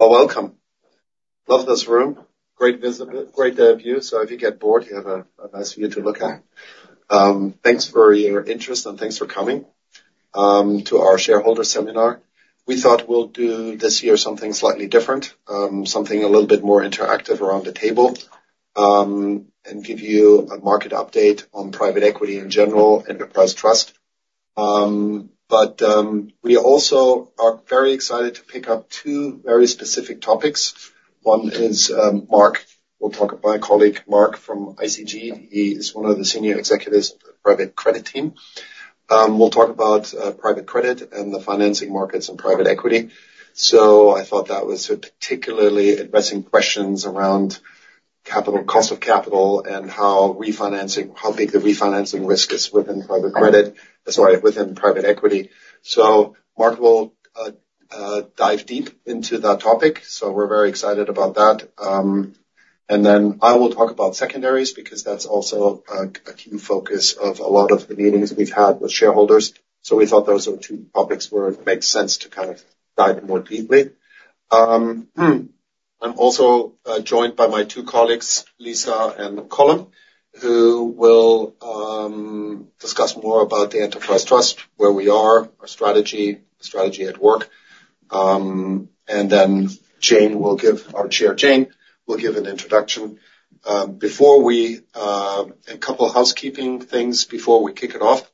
Well, welcome. Love this room. Great visit. Great view. So if you get bored, you have a nice view to look at. Thanks for your interest, and thanks for coming to our shareholder seminar. We thought we'll do this year something slightly different, something a little bit more interactive around the table, and give you a market update on private equity in general, Enterprise Trust. But we also are very excited to pick up two very specific topics. One is Mark. We'll talk to my colleague, Mark, from ICG. He is one of the senior executives of the private credit team. We'll talk about private credit and the financing markets and private equity. So I thought that was particularly addressing questions around capital, cost of capital and how refinancing—how big the refinancing risk is within private credit, sorry, within private equity. So Mark will dive deep into that topic, so we're very excited about that. And then I will talk about secondaries, because that's also a key focus of a lot of the meetings we've had with shareholders. So we thought those were two topics where it makes sense to kind of dive more deeply. I'm also joined by my two colleagues, Lise and Colm, who will discuss more about the Enterprise Trust, where we are, our strategy, strategy at work. And then Jane will give—Our chair, Jane, will give an introduction. Before we... A couple housekeeping things before we kick it off.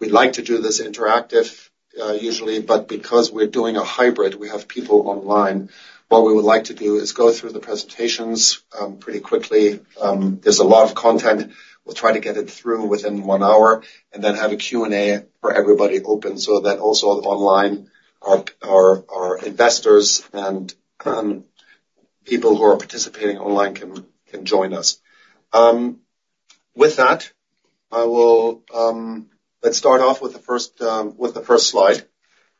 We'd like to do this interactively, usually, but because we're doing a hybrid, we have people online. What we would like to do is go through the presentations pretty quickly. There's a lot of content. We'll try to get it through within one hour and then have a Q&A for everybody open, so that also online, our investors and people who are participating online can join us. With that, let's start off with the first slide.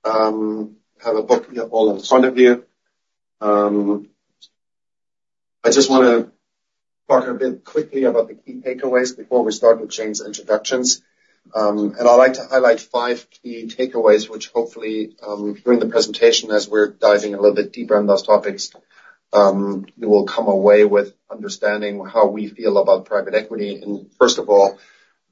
Have the book you all have in front of you. I just want to talk a bit quickly about the key takeaways before we start with Jane's introductions. I'd like to highlight five key takeaways, which hopefully, during the presentation, as we're diving a little bit deeper on those topics, you will come away with understanding how we feel about private equity. First of all,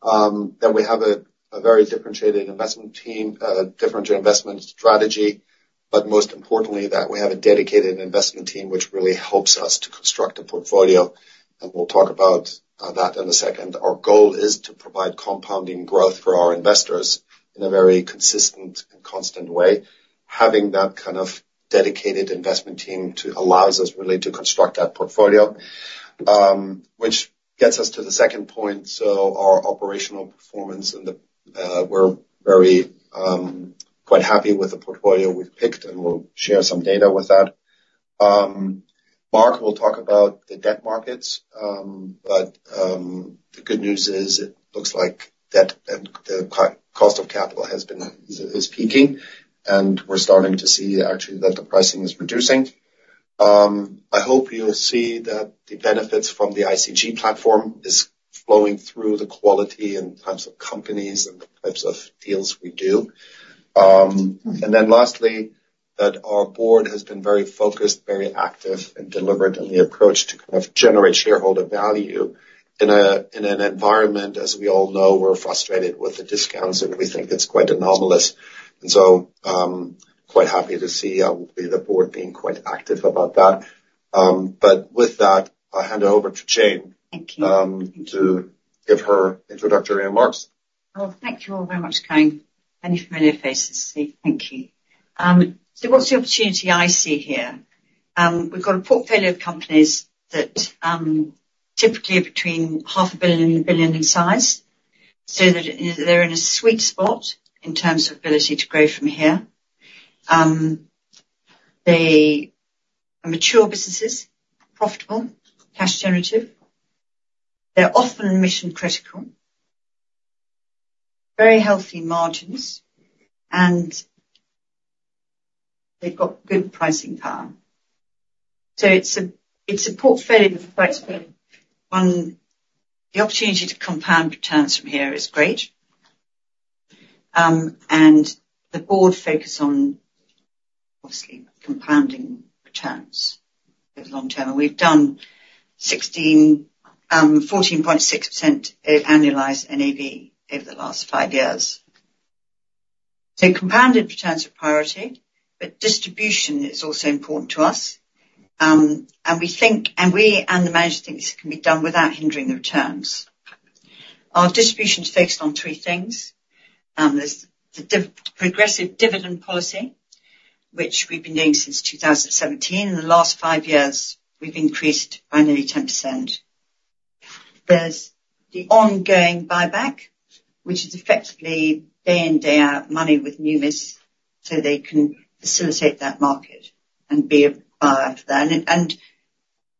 that we have a very differentiated investment team, different investment strategy, but most importantly, that we have a dedicated investment team, which really helps us to construct a portfolio, and we'll talk about that in a second. Our goal is to provide compounding growth for our investors in a very consistent and constant way. Having that kind of dedicated investment team allows us really to construct that portfolio. Which gets us to the second point, so our operational performance, and we're very quite happy with the portfolio we've picked, and we'll share some data with that. Mark will talk about the debt markets, but the good news is, it looks like debt and the cost of capital has been peaking, and we're starting to see actually that the pricing is reducing. I hope you'll see that the benefits from the ICG platform is flowing through the quality and types of companies and the types of deals we do. And then lastly, that our board has been very focused, very active, and deliberate in the approach to kind of generate shareholder value in an environment, as we all know, we're frustrated with the discounts, and we think it's quite anomalous. So, quite happy to see the board being quite active about that. But with that, I'll hand it over to Jane- Thank you. to give her introductory remarks. Well, thank you all very much for coming. Many familiar faces. Thank you. So what's the opportunity I see here? We've got a portfolio of companies that, typically are between 500 million and 1 billion in size, so that they're in a sweet spot in terms of ability to grow from here. They are mature businesses, profitable, cash generative. They're often mission-critical, very healthy margins, and they've got good pricing power. So it's a, it's a portfolio of quite a bit. One, the opportunity to compound returns from here is great, and the board focus on, obviously, compounding returns over the long term. And we've done 16, 14.6% annualized NAV over the last five years. So compounded returns are a priority, but distribution is also important to us. We think, and the management think this can be done without hindering the returns. Our distribution is focused on three things. There's the progressive dividend policy, which we've been doing since 2017. In the last five years, we've increased by nearly 10%. There's the ongoing buyback, which is effectively day in, day out money with Numis, so they can facilitate that market and be a buyer for that. And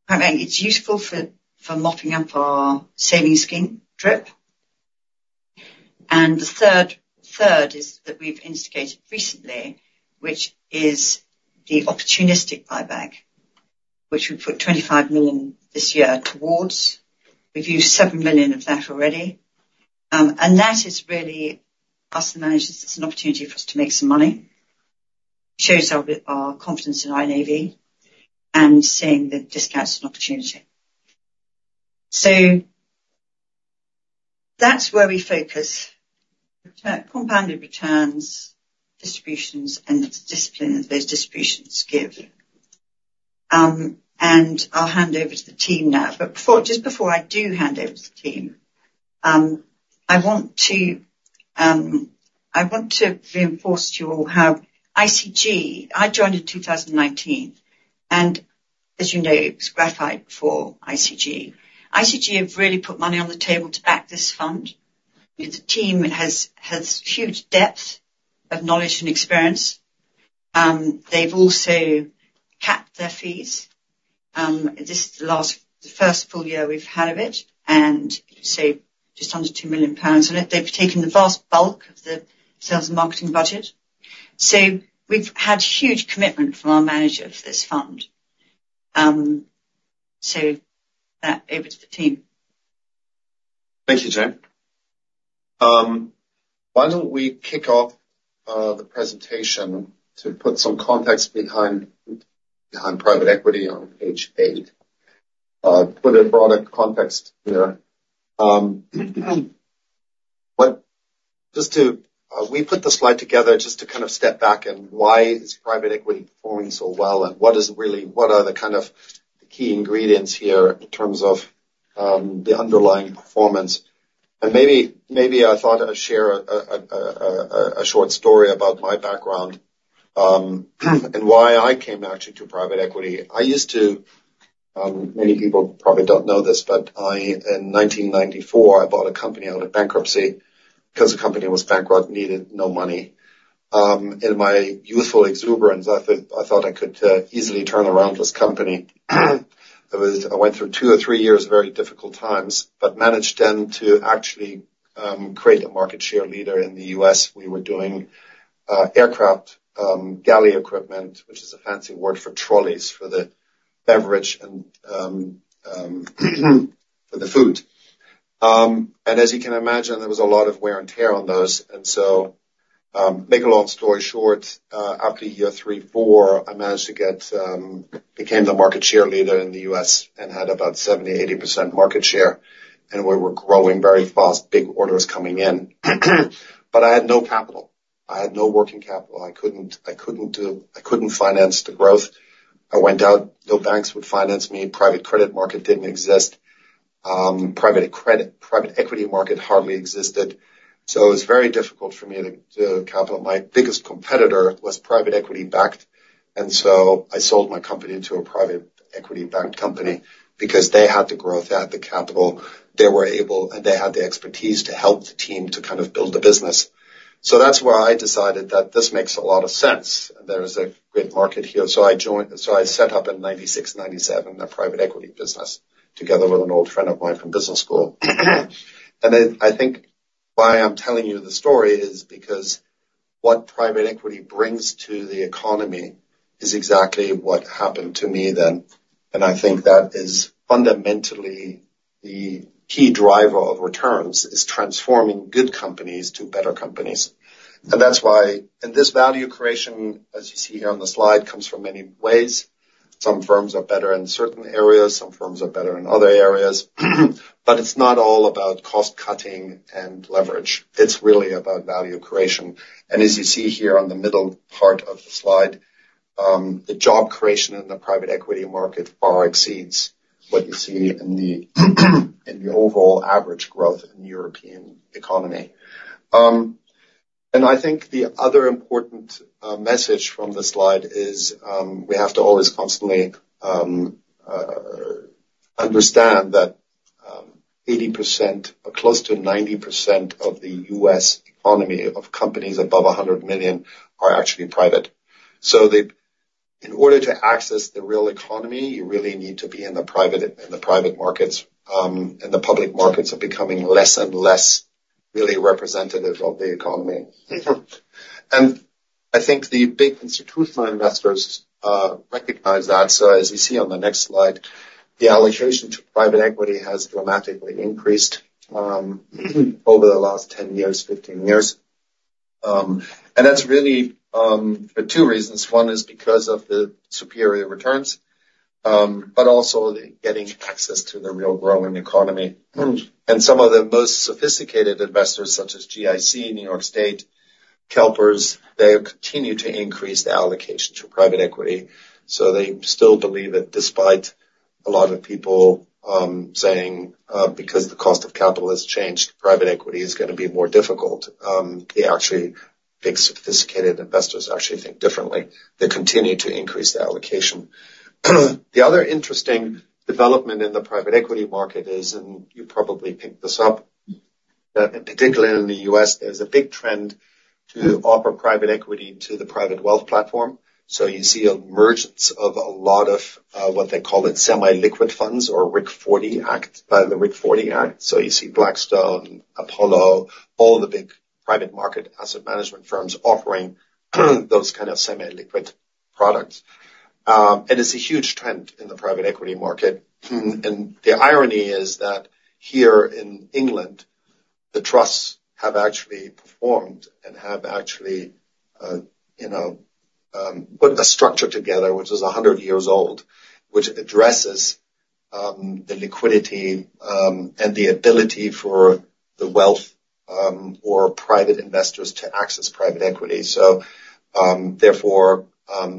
it's useful for mopping up our savings scheme DRIP. And the third is that we've instigated recently, which is the opportunistic buyback, which we put 25 million this year towards. We've used 7 million of that already. And that is really, us the managers, it's an opportunity for us to make some money, shows our confidence in our NAV and seeing the discount as an opportunity. So that's where we focus, return-compounded returns, distributions, and the discipline that those distributions give. And I'll hand over to the team now. But before, just before I do hand over to the team, I want to reinforce to you all how ICG. I joined in 2019, and as you know, it was Graphite before ICG. ICG have really put money on the table to back this fund. The team has huge depth of knowledge and experience. They've also capped their fees. This is the first full year we've had of it, and just under 2 million pounds in it. They've taken the vast bulk of the sales and marketing budget. So we've had huge commitment from our manager for this fund. So with that, over to the team. Thank you, Jane. Why don't we kick off the presentation to put some context behind private equity on page eight? Put a broader context here. But just to, we put this slide together just to kind of step back and why is private equity performing so well, and what are the kind of key ingredients here in terms of the underlying performance? And maybe I thought I'd share a short story about my background, and why I came actually to private equity. I used to, many people probably don't know this, but I, in 1994, I bought a company out of bankruptcy, because the company was bankrupt and needed no money. In my youthful exuberance, I think I thought I could easily turn around this company. I went through two or three years of very difficult times, but managed then to actually create a market share leader in the U.S. We were doing aircraft galley equipment, which is a fancy word for trolleys, for the beverage and for the food. And as you can imagine, there was a lot of wear and tear on those, and so make a long story short, after year three, four, I managed became the market share leader in the U.S. and had about 70%-80% market share, and we were growing very fast, big orders coming in. But I had no capital. I had no working capital. I couldn't finance the growth. I went out, no banks would finance me, private credit market didn't exist. Private credit, private equity market hardly existed, so it was very difficult for me to build capital. My biggest competitor was private equity-backed, and so I sold my company to a private equity-backed company because they had the growth, they had the capital, they were able, and they had the expertise to help the team to kind of build the business. So that's where I decided that this makes a lot of sense, and there is a great market here. So I set up in 1996, 1997, a private equity business together with an old friend of mine from business school. And then I think why I'm telling you the story is because what private equity brings to the economy is exactly what happened to me then, and I think that is fundamentally the key driver of returns, is transforming good companies to better companies. And that's why, and this value creation, as you see here on the slide, comes from many ways. Some firms are better in certain areas, some firms are better in other areas, but it's not all about cost cutting and leverage. It's really about value creation. And as you see here on the middle part of the slide, the job creation in the private equity market far exceeds what you see in the overall average growth in the European economy. And I think the other important message from this slide is, we have to always constantly understand that, 80% or close to 90% of the US economy of companies above 100 million are actually private. So in order to access the real economy, you really need to be in the private markets, and the public markets are becoming less and less really representative of the economy. I think the big institutional investors recognize that. As you see on the next slide, the allocation to private equity has dramatically increased over the last 10 years, 15 years. And that's really for two reasons. One is because of the superior returns, but also getting access to the real growing economy. Some of the most sophisticated investors, such as GIC, New York State, CalPERS, have continued to increase their allocation to private equity. So they still believe that despite a lot of people saying, because the cost of capital has changed, private equity is gonna be more difficult, they actually, big, sophisticated investors actually think differently. They continue to increase their allocation. The other interesting development in the private equity market is, and you probably picked this up, that in particular in the U.S., there's a big trend to offer private equity to the private wealth platform. So you see an emergence of a lot of, what they call it, semi-liquid funds or Reg 40 Act, the Reg 40 Act. So you see Blackstone, Apollo, all the big-... private market asset management firms offering those kind of semi-liquid products. It is a huge trend in the private equity market. And the irony is that here in England, the trusts have actually performed and have actually, you know, put a structure together which is 100 years old, which addresses the liquidity, and the ability for the wealth, or private investors to access private equity. So, therefore,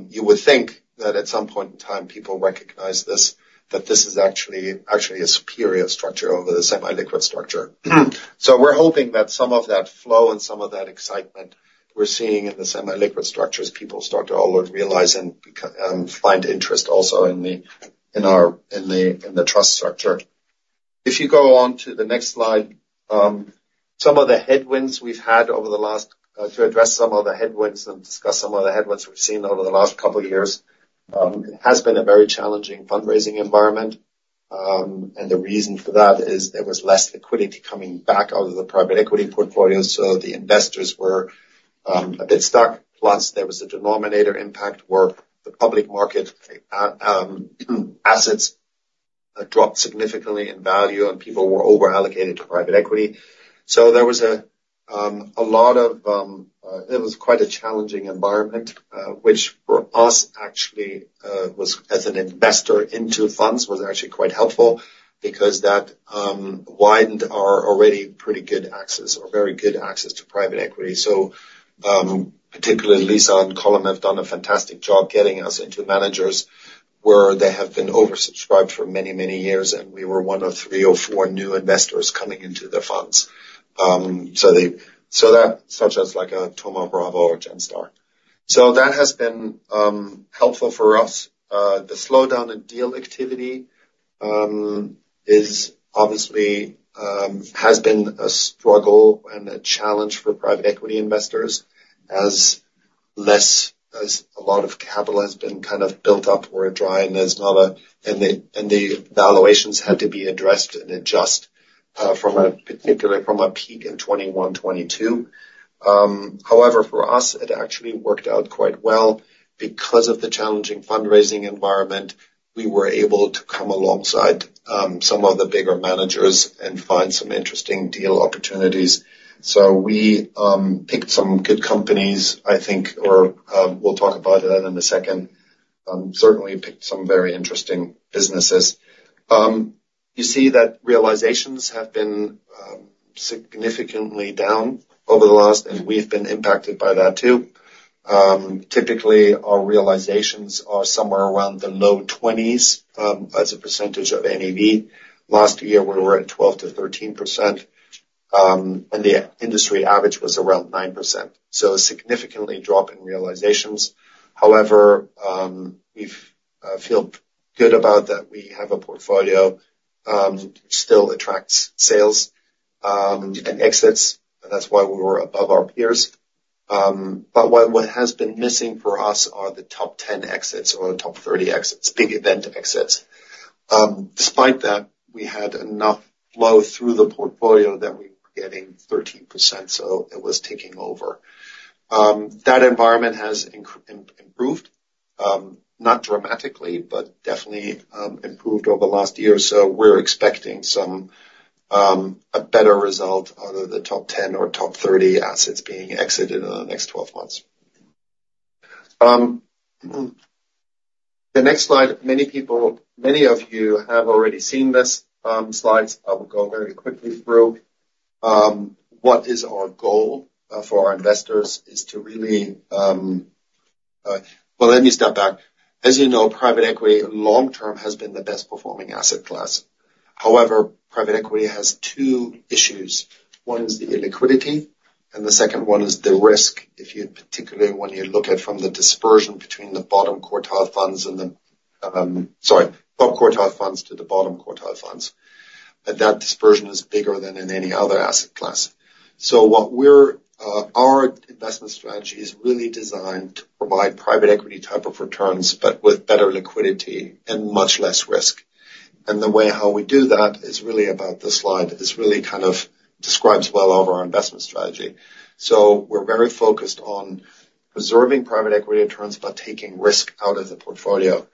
you would think that at some point in time, people recognize this, that this is actually, actually a superior structure over the semi-liquid structure. So we're hoping that some of that flow and some of that excitement we're seeing in the semi-liquid structures, people start to all are realizing, find interest also in the, in our, in the, in the trust structure. If you go on to the next slide, some of the headwinds we've had over the last. To address some of the headwinds and discuss some of the headwinds we've seen over the last couple of years, it has been a very challenging fundraising environment, and the reason for that is there was less liquidity coming back out of the private equity portfolio, so the investors were a bit stuck. Plus, there was a denominator effect, where the public market assets dropped significantly in value, and people were over-allocated to private equity. So there was a a lot of it was quite a challenging environment, which for us, actually, was, as an investor into funds, was actually quite helpful because that widened our already pretty good access or very good access to private equity. So, particularly, Lise and Colm have done a fantastic job getting us into managers, where they have been oversubscribed for many, many years, and we were one of three or four new investors coming into the funds. So that, such as like a Thoma Bravo or Genstar. So that has been helpful for us. The slowdown in deal activity is obviously has been a struggle and a challenge for private equity investors, as a lot of capital has been kind of built up or dry and the valuations had to be addressed and adjust, particularly from a peak in 2021, 2022. However, for us, it actually worked out quite well. Because of the challenging fundraising environment, we were able to come alongside some of the bigger managers and find some interesting deal opportunities. So we picked some good companies, I think, or we'll talk about that in a second. Certainly picked some very interesting businesses. You see that realizations have been significantly down over the last, and we've been impacted by that, too. Typically, our realizations are somewhere around the low 20s as a percentage of NAV. Last year, we were at 12%-13%, and the industry average was around 9%, so a significantly drop in realizations. However, we feel good about that we have a portfolio which still attracts sales and exits, and that's why we were above our peers. But what has been missing for us are the top 10 exits or the top 30 exits, big event exits. Despite that, we had enough flow through the portfolio that we were getting 13%, so it was ticking over. That environment has improved, not dramatically, but definitely, improved over the last year, so we're expecting some, a better result out of the top 10 or top 30 assets being exited in the next 12 months. The next slide, many people, many of you have already seen this, slides. I will go very quickly through. What is our goal, for our investors is to really... Well, let me step back. As you know, private equity, long term, has been the best performing asset class. However, private equity has two issues. One is the illiquidity, and the second one is the risk, if you particularly when you look at from the dispersion between the bottom quartile funds and the top quartile funds to the bottom quartile funds, that dispersion is bigger than in any other asset class. So what we're our investment strategy is really designed to provide private equity type of returns, but with better liquidity and much less risk. And the way how we do that is really about the slide. It's really kind of describes well over our investment strategy. So we're very focused on preserving private equity returns, but taking risk out of the portfolio.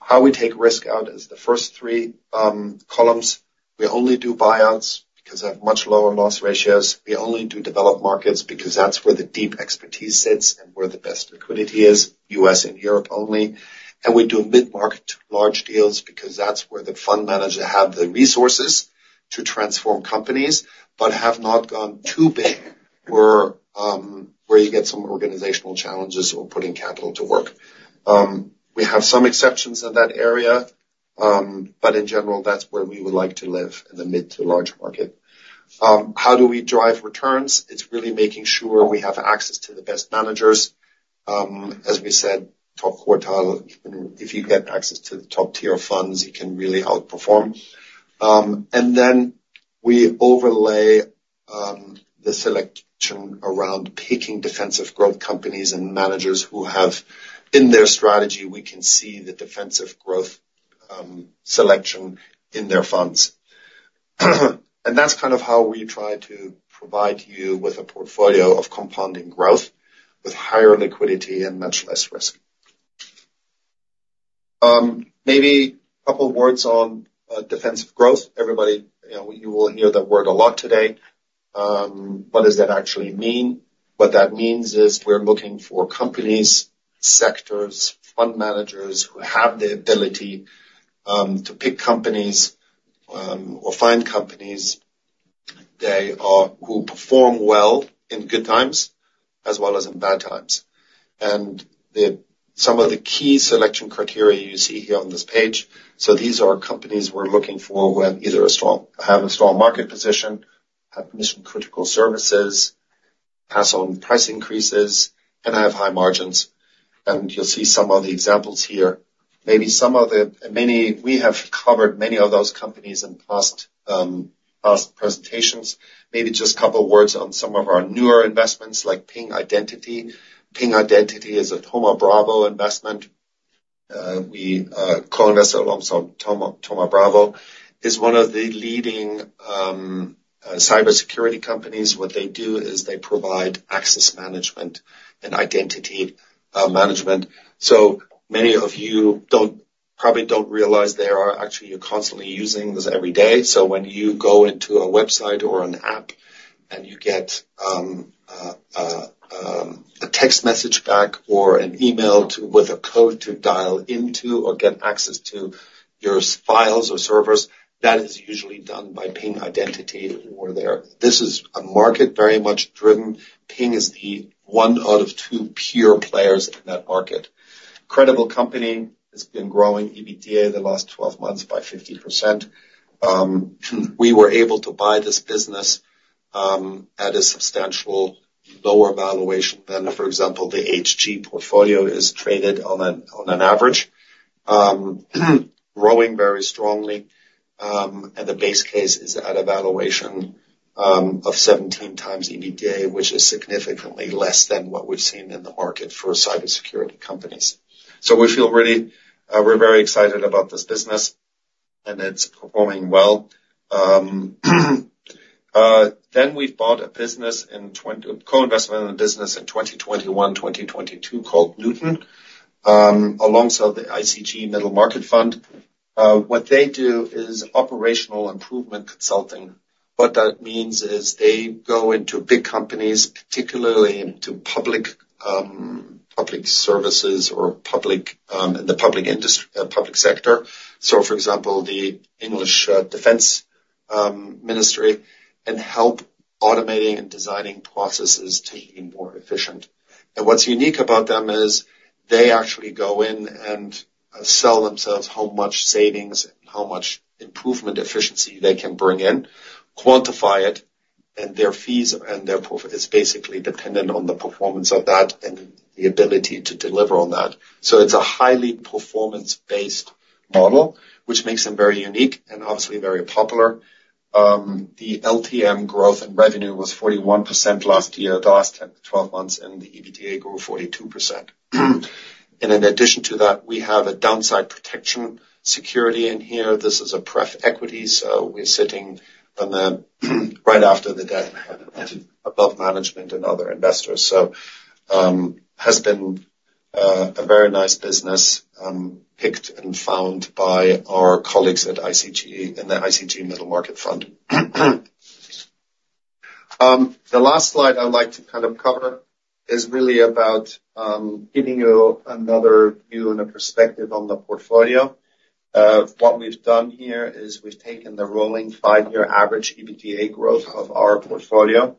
How we take risk out is the first three columns. We only do buyouts, because they have much lower loss ratios. We only do developed markets, because that's where the deep expertise sits and where the best liquidity is, US and Europe only. We do mid-market to large deals, because that's where the fund manager have the resources to transform companies, but have not gone too big, where you get some organizational challenges or putting capital to work. We have some exceptions in that area, but in general, that's where we would like to live, in the mid to large market. How do we drive returns? It's really making sure we have access to the best managers. As we said, top quartile, if you get access to the top-tier funds, you can really outperform. And then we overlay the selection around picking defensive growth companies and managers who have, in their strategy, we can see the defensive growth selection in their funds. That's kind of how we try to provide you with a portfolio of compounding growth, with higher liquidity and much less risk. Maybe a couple words on defensive growth. Everybody, you know, you will hear that word a lot today. What does that actually mean? What that means is, we're looking for companies, sectors, fund managers, who have the ability to pick companies or find companies who perform well in good times, as well as in bad times. Some of the key selection criteria you see here on this page, so these are companies we're looking for with have a strong market position, have mission-critical services, pass on price increases, and have high margins. You'll see some of the examples here. Maybe some of the many— We have covered many of those companies in past presentations. Maybe just a couple words on some of our newer investments, like Ping Identity. Ping Identity is a Thoma Bravo investment. We co-invested alongside Thoma Bravo, is one of the leading cybersecurity companies. What they do is they provide access management and identity management. So many of you don't, probably don't realize they are actually, you're constantly using this every day. So when you go into a website or an app, and you get a text message back, or an email to- with a code to dial into or get access to your files or servers, that is usually done by Ping Identity or there. This is a market very much driven. Ping is the one out of two pure players in that market. Credible company, it's been growing EBITDA in the last 12 months by 50%. We were able to buy this business at a substantial lower valuation than, for example, the Hg portfolio is traded on an average. Growing very strongly, and the base case is at a valuation of 17 times EBITDA, which is significantly less than what we've seen in the market for cybersecurity companies. So we feel really. We're very excited about this business, and it's performing well. Then we bought a co-investment in a business in 2021, 2022 called Newton, alongside the ICG Middle Market Fund. What they do is operational improvement consulting. What that means is they go into big companies, particularly into public public services or public in the public sector, so, for example, the English Defense Ministry, and help automating and designing processes to be more efficient. And what's unique about them is they actually go in and sell themselves how much savings and how much improvement efficiency they can bring in, quantify it, and their fees, and their profit is basically dependent on the performance of that and the ability to deliver on that. So it's a highly performance-based model, which makes them very unique and obviously very popular. The LTM growth in revenue was 41% last year, the last 10-12 months, and the EBITDA grew 42%. And in addition to that, we have a downside protection security in here. This is a pref equity, so we're sitting on the right after the debt, above management and other investors. So, has been a very nice business picked and found by our colleagues at ICG, in the ICG Middle Market Fund. The last slide I'd like to kind of cover is really about giving you another view and a perspective on the portfolio. What we've done here is we've taken the rolling 5-year average EBITDA growth of our portfolio,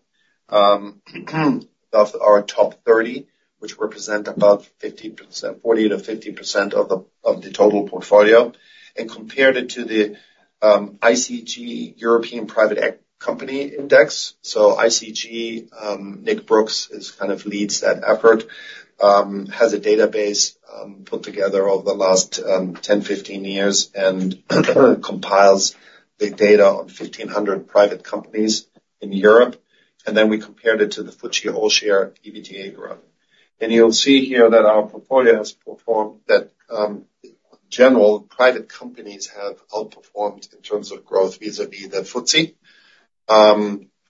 of our top 30, which represent above 15%, 40%-50% of the total portfolio, and compared it to the ICG European Private Equity Company Index. So ICG, Nick Brooks is kind of leads that effort, has a database put together over the last 10-15 years and compiles the data on 1,500 private companies in Europe, and then we compared it to the FTSE All-Share EBITDA growth. You'll see here that our portfolio has performed that. In general, private companies have outperformed in terms of growth vis-à-vis the FTSE.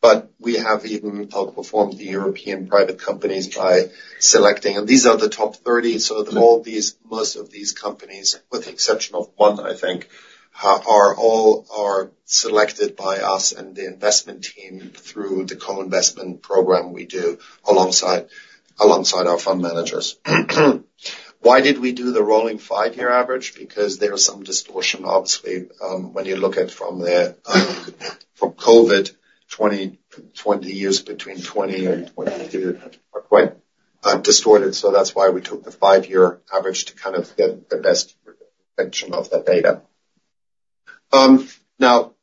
But we have even outperformed the European private companies by selecting... These are the top 30, so all these, most of these companies, with the exception of one, I think, are selected by us and the investment team through the co-investment program we do alongside our fund managers. Why did we do the rolling five-year average? Because there is some distortion, obviously, when you look at from COVID, 2020 years between 2020 and 2022 are quite distorted, so that's why we took the five-year average to kind of get the best representation of the data. Now,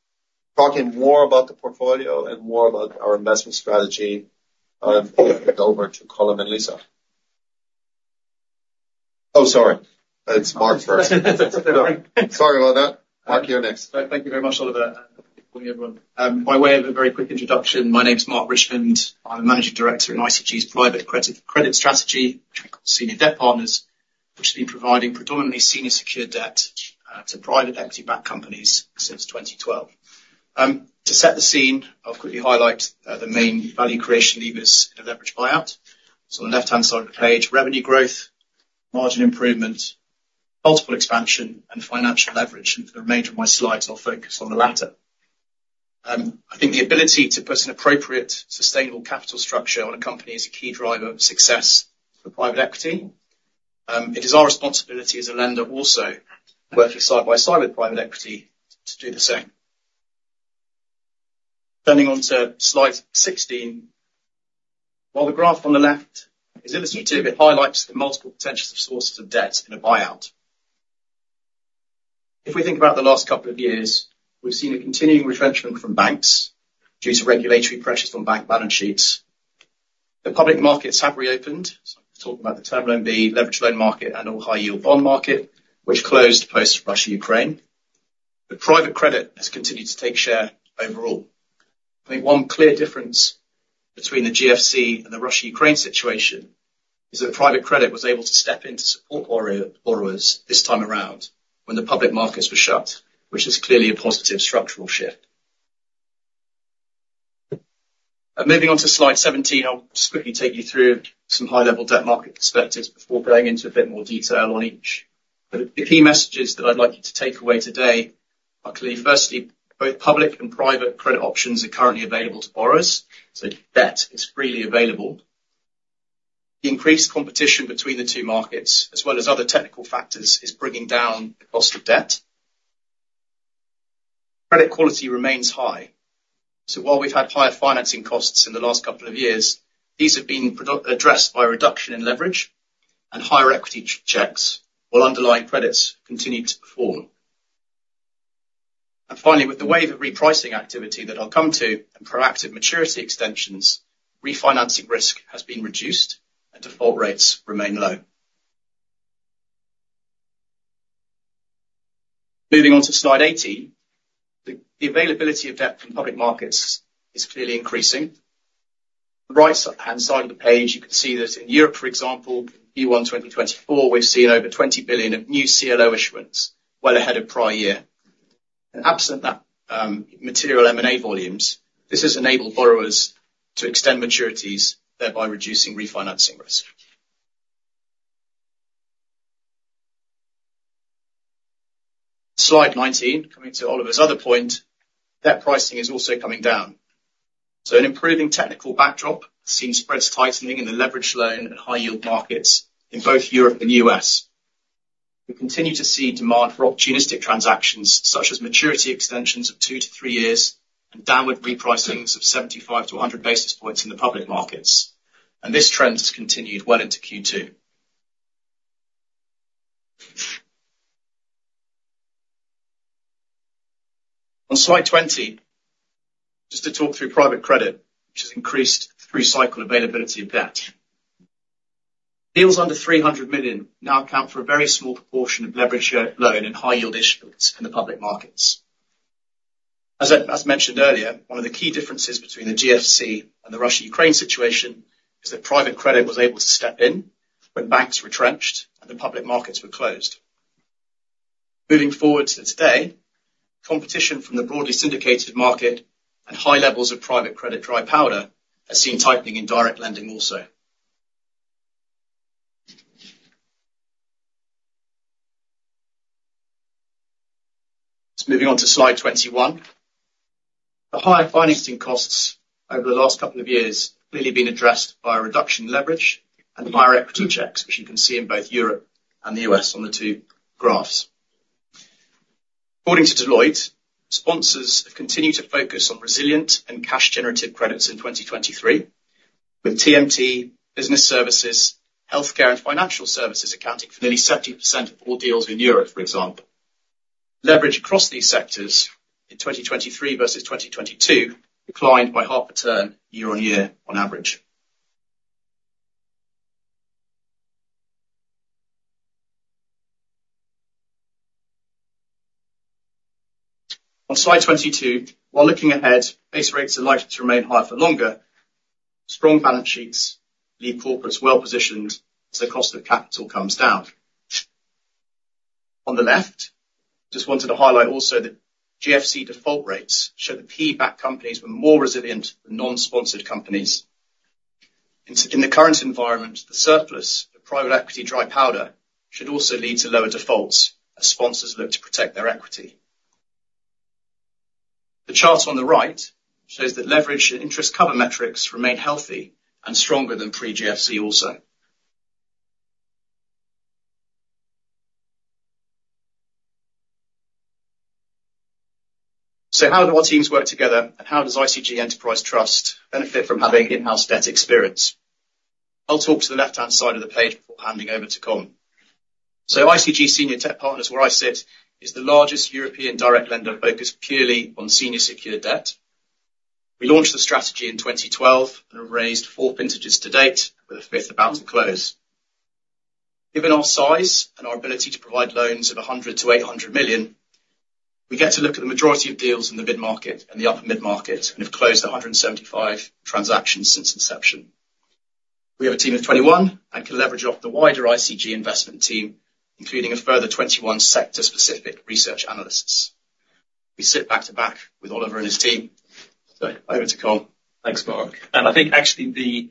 talking more about the portfolio and more about our investment strategy, I'll hand it over to Colm and Lise. Oh, sorry. It's Mark first. Sorry about that. Mark, you're next. Thank you very much, Oliver.... Good morning, everyone. By way of a very quick introduction, my name is Mark Richmond. I'm Managing Director in ICG's Private Credit strategy, Senior Debt Partners, which has been providing predominantly senior secured debt to private equity-backed companies since 2012. To set the scene, I'll quickly highlight the main value creation levers in a leveraged buyout. So on the left-hand side of the page, revenue growth, margin improvement, multiple expansion, and financial leverage, and for the remainder of my slides, I'll focus on the latter. It is our responsibility as a lender also, working side by side with private equity, to do the same. Turning on to slide 16. While the graph on the left is illustrative, it highlights the multiple potential sources of debt in a buyout. If we think about the last couple of years, we've seen a continuing retrenchment from banks due to regulatory pressures on bank balance sheets. The public markets have reopened. So talk about the Term Loan B, leveraged loan market, and high-yield bond market, which closed post-Russia-Ukraine. Private credit has continued to take share overall. I think one clear difference between the GFC and the Russia-Ukraine situation is that private credit was able to step in to support borrowers this time around when the public markets were shut, which is clearly a positive structural shift. Moving on to slide 17, I'll just quickly take you through some high-level debt market perspectives before going into a bit more detail on each. But the key messages that I'd like you to take away today are clearly, firstly, both public and private credit options are currently available to borrowers, so debt is freely available. The increased competition between the two markets, as well as other technical factors, is bringing down the cost of debt. Credit quality remains high, so while we've had higher financing costs in the last couple of years, these have been addressed by a reduction in leverage and higher equity checks, while underlying credits continue to perform. And finally, with the wave of repricing activity that I'll come to and proactive maturity extensions, refinancing risk has been reduced and default rates remain low. Moving on to slide 18. The availability of debt from public markets is clearly increasing. The right-hand side of the page, you can see that in Europe, for example, Q1 2024, we've seen over 20 billion of new CLO issuance well ahead of prior year. Absent that, material M&A volumes, this has enabled borrowers to extend maturities, thereby reducing refinancing risk. Slide 19, coming to Oliver's other point, debt pricing is also coming down. So an improving technical backdrop has seen spreads tightening in the leveraged loan and high yield markets in both Europe and the US. We continue to see demand for opportunistic transactions, such as maturity extensions of 2-3 years and downward repricings of 75-100 basis points in the public markets, and this trend has continued well into Q2. On slide 20, just to talk through private credit, which has increased through-cycle availability of debt. Deals under 300 million now account for a very small proportion of leverage loan and high yield issuance in the public markets. As mentioned earlier, one of the key differences between the GFC and the Russia-Ukraine situation is that private credit was able to step in when banks retrenched and the public markets were closed. Moving forward to today, competition from the broadly syndicated market and high levels of private credit dry powder has seen tightening in direct lending also. So moving on to slide 21. The higher financing costs over the last couple of years have clearly been addressed by a reduction in leverage and higher equity checks, which you can see in both Europe and the U.S. on the two graphs. According to Deloitte, sponsors have continued to focus on resilient and cash-generative credits in 2023, with TMT, business services, healthcare and financial services accounting for nearly 70% of all deals in Europe, for example. Leverage across these sectors in 2023 versus 2022 declined by half a turn year-over-year on average. On slide 22, while looking ahead, base rates are likely to remain higher for longer. Strong balance sheets leave corporates well positioned as the cost of capital comes down. On the left, just wanted to highlight also that GFC default rates show that PE-backed companies were more resilient than non-sponsored companies. In the current environment, the surplus of private equity dry powder should also lead to lower defaults as sponsors look to protect their equity. The chart on the right shows that leverage and interest cover metrics remain healthy and stronger than pre-GFC also. So how do our teams work together, and how does ICG Enterprise Trust benefit from having in-house debt experience? I'll talk to the left-hand side of the page before handing over to Colm. So ICG Senior Debt Partners, where I sit, is the largest European direct lender focused purely on senior secured debt. We launched the strategy in 2012 and have raised 4 vintages to date, with a fifth about to close.... Given our size and our ability to provide loans of 100 million-800 million, we get to look at the majority of deals in the mid-market and the upper mid-market, and have closed 175 transactions since inception. We have a team of 21, and can leverage off the wider ICG investment team, including a further 21 sector-specific research analysts. We sit back to back with Oliver and his team. So over to Colm. Thanks, Mark. And I think actually the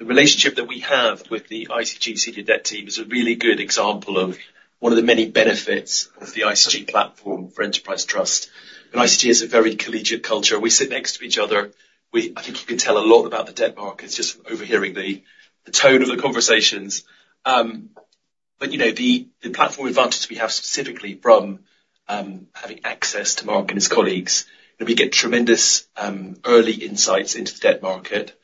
relationship that we have with the ICG Senior Debt team is a really good example of one of the many benefits of the ICG platform for Enterprise Trust. And ICG has a very collegiate culture. We sit next to each other. I think you can tell a lot about the debt markets, just from overhearing the tone of the conversations. But you know, the platform advantage we have specifically from having access to Mark and his colleagues, and we get tremendous early insights into the debt market.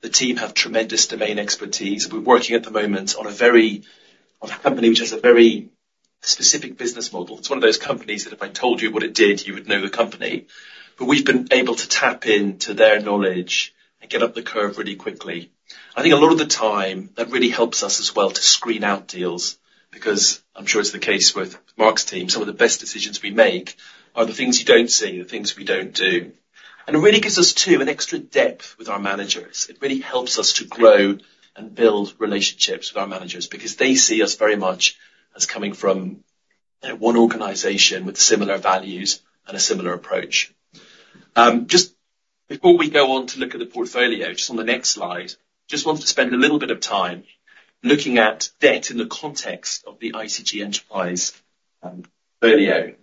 The team have tremendous domain expertise. We're working at the moment on a company which has a very specific business model. It's one of those companies that if I told you what it did, you would know the company. But we've been able to tap into their knowledge and get up the curve really quickly. I think a lot of the time, that really helps us as well to screen out deals, because I'm sure it's the case with Mark's team, some of the best decisions we make are the things you don't see and the things we don't do. And it really gives us, too, an extra depth with our managers. It really helps us to grow and build relationships with our managers, because they see us very much as coming from, you know, one organization with similar values and a similar approach. Just before we go on to look at the portfolio, just on the next slide, just wanted to spend a little bit of time looking at debt in the context of the ICG Enterprise Trust portfolio.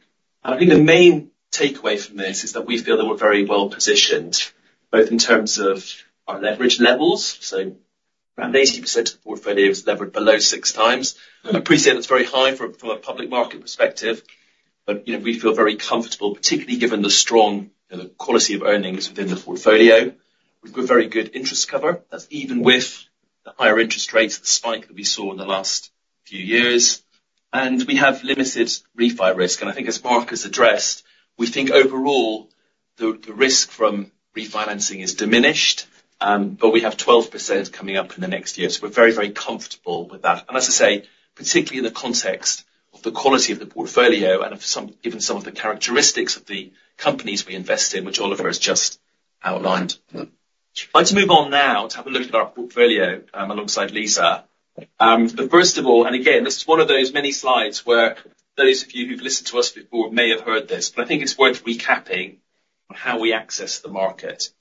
I think the main takeaway from this is that we feel that we're very well-positioned, both in terms of our leverage levels, so around 80% of the portfolio is levered below 6x. I appreciate that's very high from a public market perspective, but, you know, we feel very comfortable, particularly given the strong, you know, quality of earnings within the portfolio. We've got very good interest cover. That's even with the higher interest rates, the spike that we saw in the last few years, and we have limited refi risk. And I think as Mark has addressed, we think overall, the risk from refinancing is diminished, but we have 12% coming up in the next year. So we're very, very comfortable with that, and as I say, particularly in the context of the quality of the portfolio and, given some of the characteristics of the companies we invest in, which Oliver has just outlined. I'd like to move on now to have a look at our portfolio, alongside Lise. But first of all, and again, this is one of those many slides where those of you who've listened to us before may have heard this, but I think it's worth recapping on how we access the market.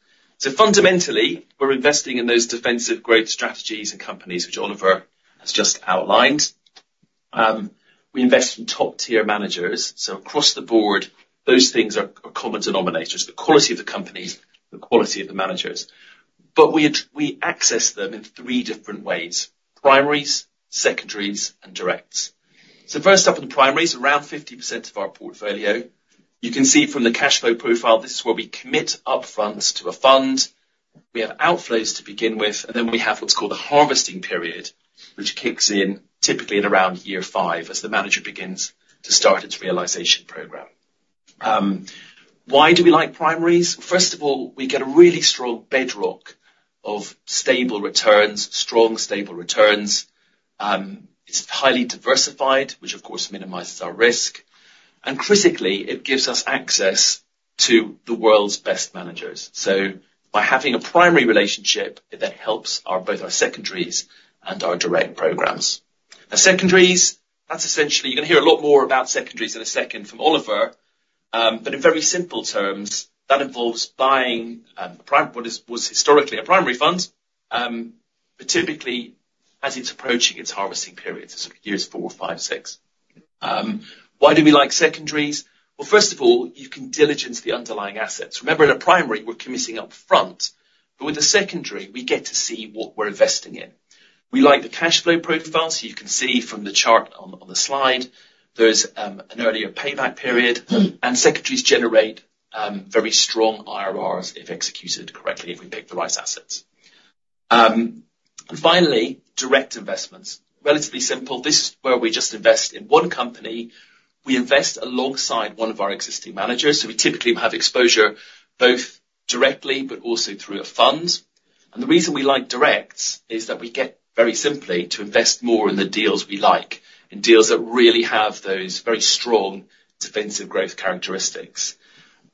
So fundamentally, we're investing in those defensive growth strategies and companies, which Oliver has just outlined. We invest in top-tier managers. So across the board, those things are, are common denominators, the quality of the companies, the quality of the managers. But we access them in three different ways: primaries, secondaries, and directs. So first up, in the primaries, around 50% of our portfolio. You can see from the cash flow profile, this is where we commit upfront to a fund. We have outflows to begin with, and then we have what's called the harvesting period, which kicks in typically at around year five, as the manager begins to start its realization program. Why do we like primaries? First of all, we get a really strong bedrock of stable returns, strong, stable returns. It's highly diversified, which, of course, minimizes our risk, and critically, it gives us access to the world's best managers. So by having a primary relationship, it then helps our, both our secondaries and our direct programs. Now, secondaries, that's essentially... You're going to hear a lot more about secondaries in a second from Oliver, but in very simple terms, that involves buying a prime, what is, was historically a primary fund, but typically as it's approaching its harvesting periods, so years four five six. Why do we like secondaries? Well, first of all, you can diligence the underlying assets. Remember, in a primary, we're committing up front, but with a secondary, we get to see what we're investing in. We like the cash flow profile, so you can see from the chart on the slide, there's an earlier payback period, and secondaries generate very strong IRRs if executed correctly, if we pick the right assets. And finally, direct investments. Relatively simple. This is where we just invest in one company. We invest alongside one of our existing managers, so we typically have exposure both directly but also through a fund. The reason we like directs is that we get, very simply, to invest more in the deals we like, in deals that really have those very strong defensive growth characteristics.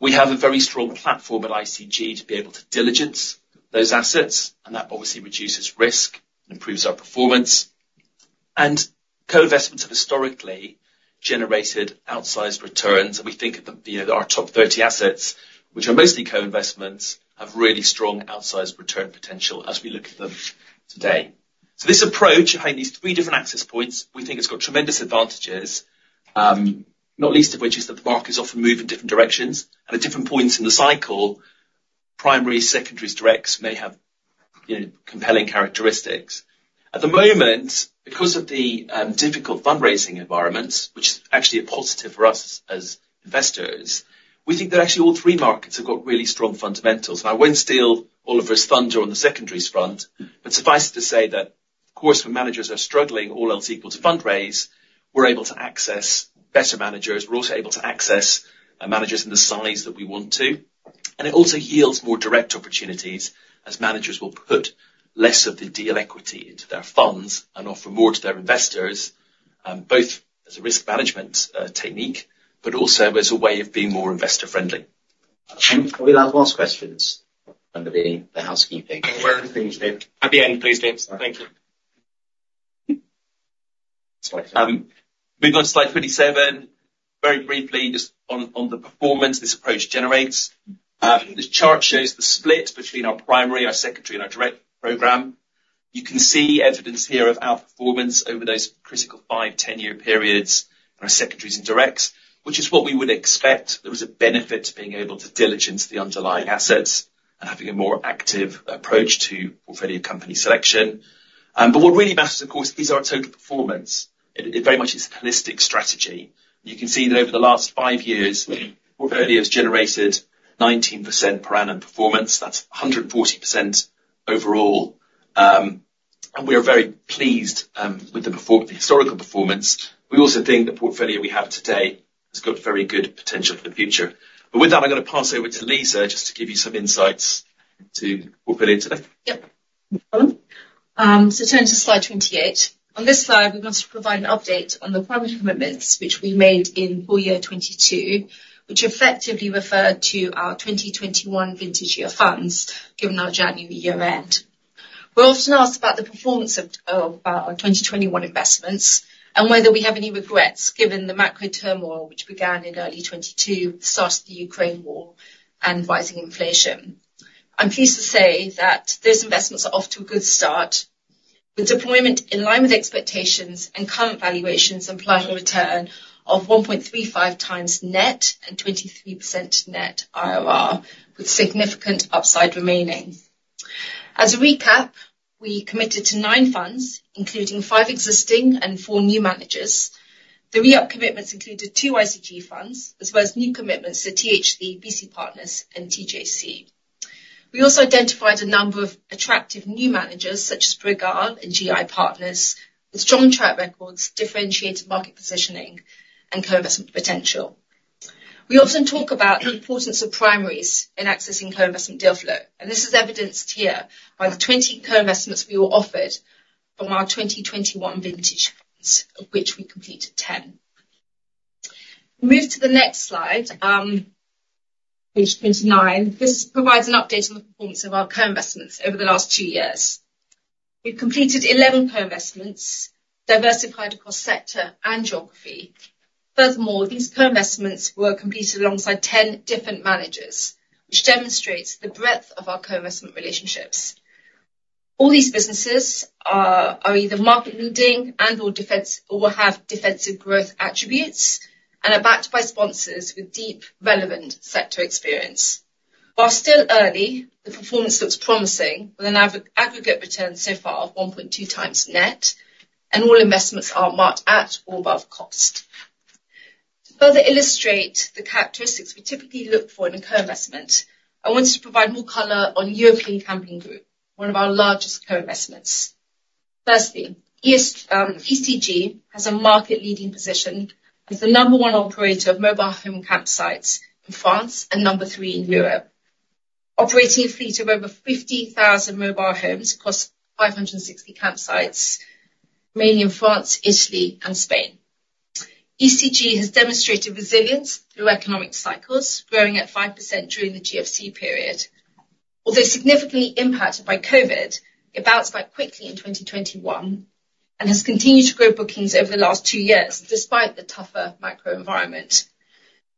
We have a very strong platform at ICG to be able to diligence those assets, and that obviously reduces risk and improves our performance. Co-investments have historically generated outsized returns, and we think that, you know, our top 30 assets, which are mostly co-investments, have really strong outsized return potential as we look at them today. This approach behind these three different access points, we think has got tremendous advantages, not least of which is that the markets often move in different directions. At different points in the cycle, primaries, secondaries, directs may have, you know, compelling characteristics. At the moment, because of the difficult fundraising environment, which is actually a positive for us as investors, we think that actually all three markets have got really strong fundamentals. Now, I won't steal Oliver's thunder on the secondaries front, but suffice it to say that, of course, when managers are struggling, all else equal, to fundraise, we're able to access better managers. We're also able to access managers in the size that we want to. It also yields more direct opportunities, as managers will put less of the deal equity into their funds and offer more to their investors, both as a risk management technique, but also as a way of being more investor-friendly. Are we allowed to ask questions under the housekeeping? At the end, please, Dave. At the end, please, Dave. Thank you. Move on to slide 27. Very briefly, just on the performance this approach generates. This chart shows the split between our primary, our secondary, and our direct program. You can see evidence here of our performance over those critical 5, 10-year periods and our secondaries and directs, which is what we would expect. There was a benefit to being able to diligence the underlying assets and having a more active approach to portfolio company selection. But what really matters, of course, is our total performance. It very much is a holistic strategy. You can see that over the last 5 years, portfolio has generated 19% per annum performance. That's 140% overall. And we are very pleased with the historical performance. We also think the portfolio we have today has got very good potential for the future. With that, I'm gonna pass over to Lise, just to give you some insights to portfolio today. Yep. So turn to slide 28. On this slide, we're going to provide an update on the primary commitments, which we made in full year 2022, which effectively referred to our 2021 vintage year funds, given our January year end. We're often asked about the performance of our 2021 investments and whether we have any regrets, given the macro turmoil which began in early 2022, start of the Ukraine war and rising inflation. I'm pleased to say that those investments are off to a good start, with deployment in line with expectations and current valuations, implied a return of 1.35x net and 23% net IRR, with significant upside remaining. As a recap, we committed to 9 funds, including 5 existing and 4 new managers. The re-up commitments included two ICG funds, as well as new commitments to THL, BC Partners, and TJC. We also identified a number of attractive new managers, such as Bregal and GI Partners, with strong track records, differentiated market positioning, and co-investment potential. We often talk about the importance of primaries in accessing co-investment deal flow, and this is evidenced here by the 20 co-investments we were offered from our 2021 vintage funds, of which we completed 10. Move to the next slide, page 29. This provides an update on the performance of our co-investments over the last 2 years. We've completed 11 co-investments, diversified across sector and geography. Furthermore, these co-investments were completed alongside 10 different managers, which demonstrates the breadth of our co-investment relationships. All these businesses are either market leading and/or defensive or have defensive growth attributes, and are backed by sponsors with deep, relevant sector experience. While still early, the performance looks promising, with an aggregate return so far of 1.2x net, and all investments are marked at or above cost. To further illustrate the characteristics we typically look for in a co-investment, I wanted to provide more color on European Camping Group, one of our largest co-investments. Firstly, ECG has a market-leading position as the number one operator of mobile home campsites in France, and number three in Europe, operating a fleet of over 50,000 mobile homes across 560 campsites, mainly in France, Italy, and Spain. ECG has demonstrated resilience through economic cycles, growing at 5% during the GFC period. Although significantly impacted by COVID, it bounced back quickly in 2021, and has continued to grow bookings over the last two years, despite the tougher macro environment,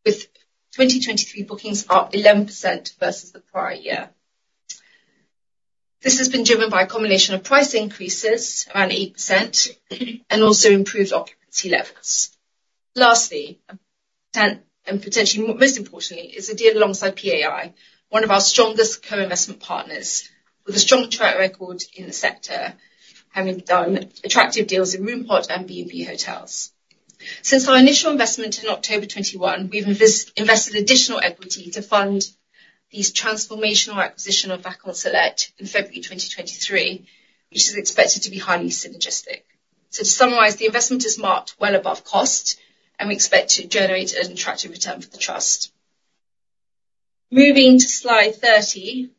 with 2023 bookings up 11% versus the prior year. This has been driven by a combination of price increases, around 8%, and also improved occupancy levels. Lastly, and potentially most importantly, is the deal alongside PAI, one of our strongest co-investment partners, with a strong track record in the sector, having done attractive deals in Roompot and B&B Hotels. Since our initial investment in October 2021, we've invested additional equity to fund this transformational acquisition of Vacanceselect in February 2023, which is expected to be highly synergistic. So to summarize, the investment is marked well above cost, and we expect to generate an attractive return for the Trust. Moving to slide 30,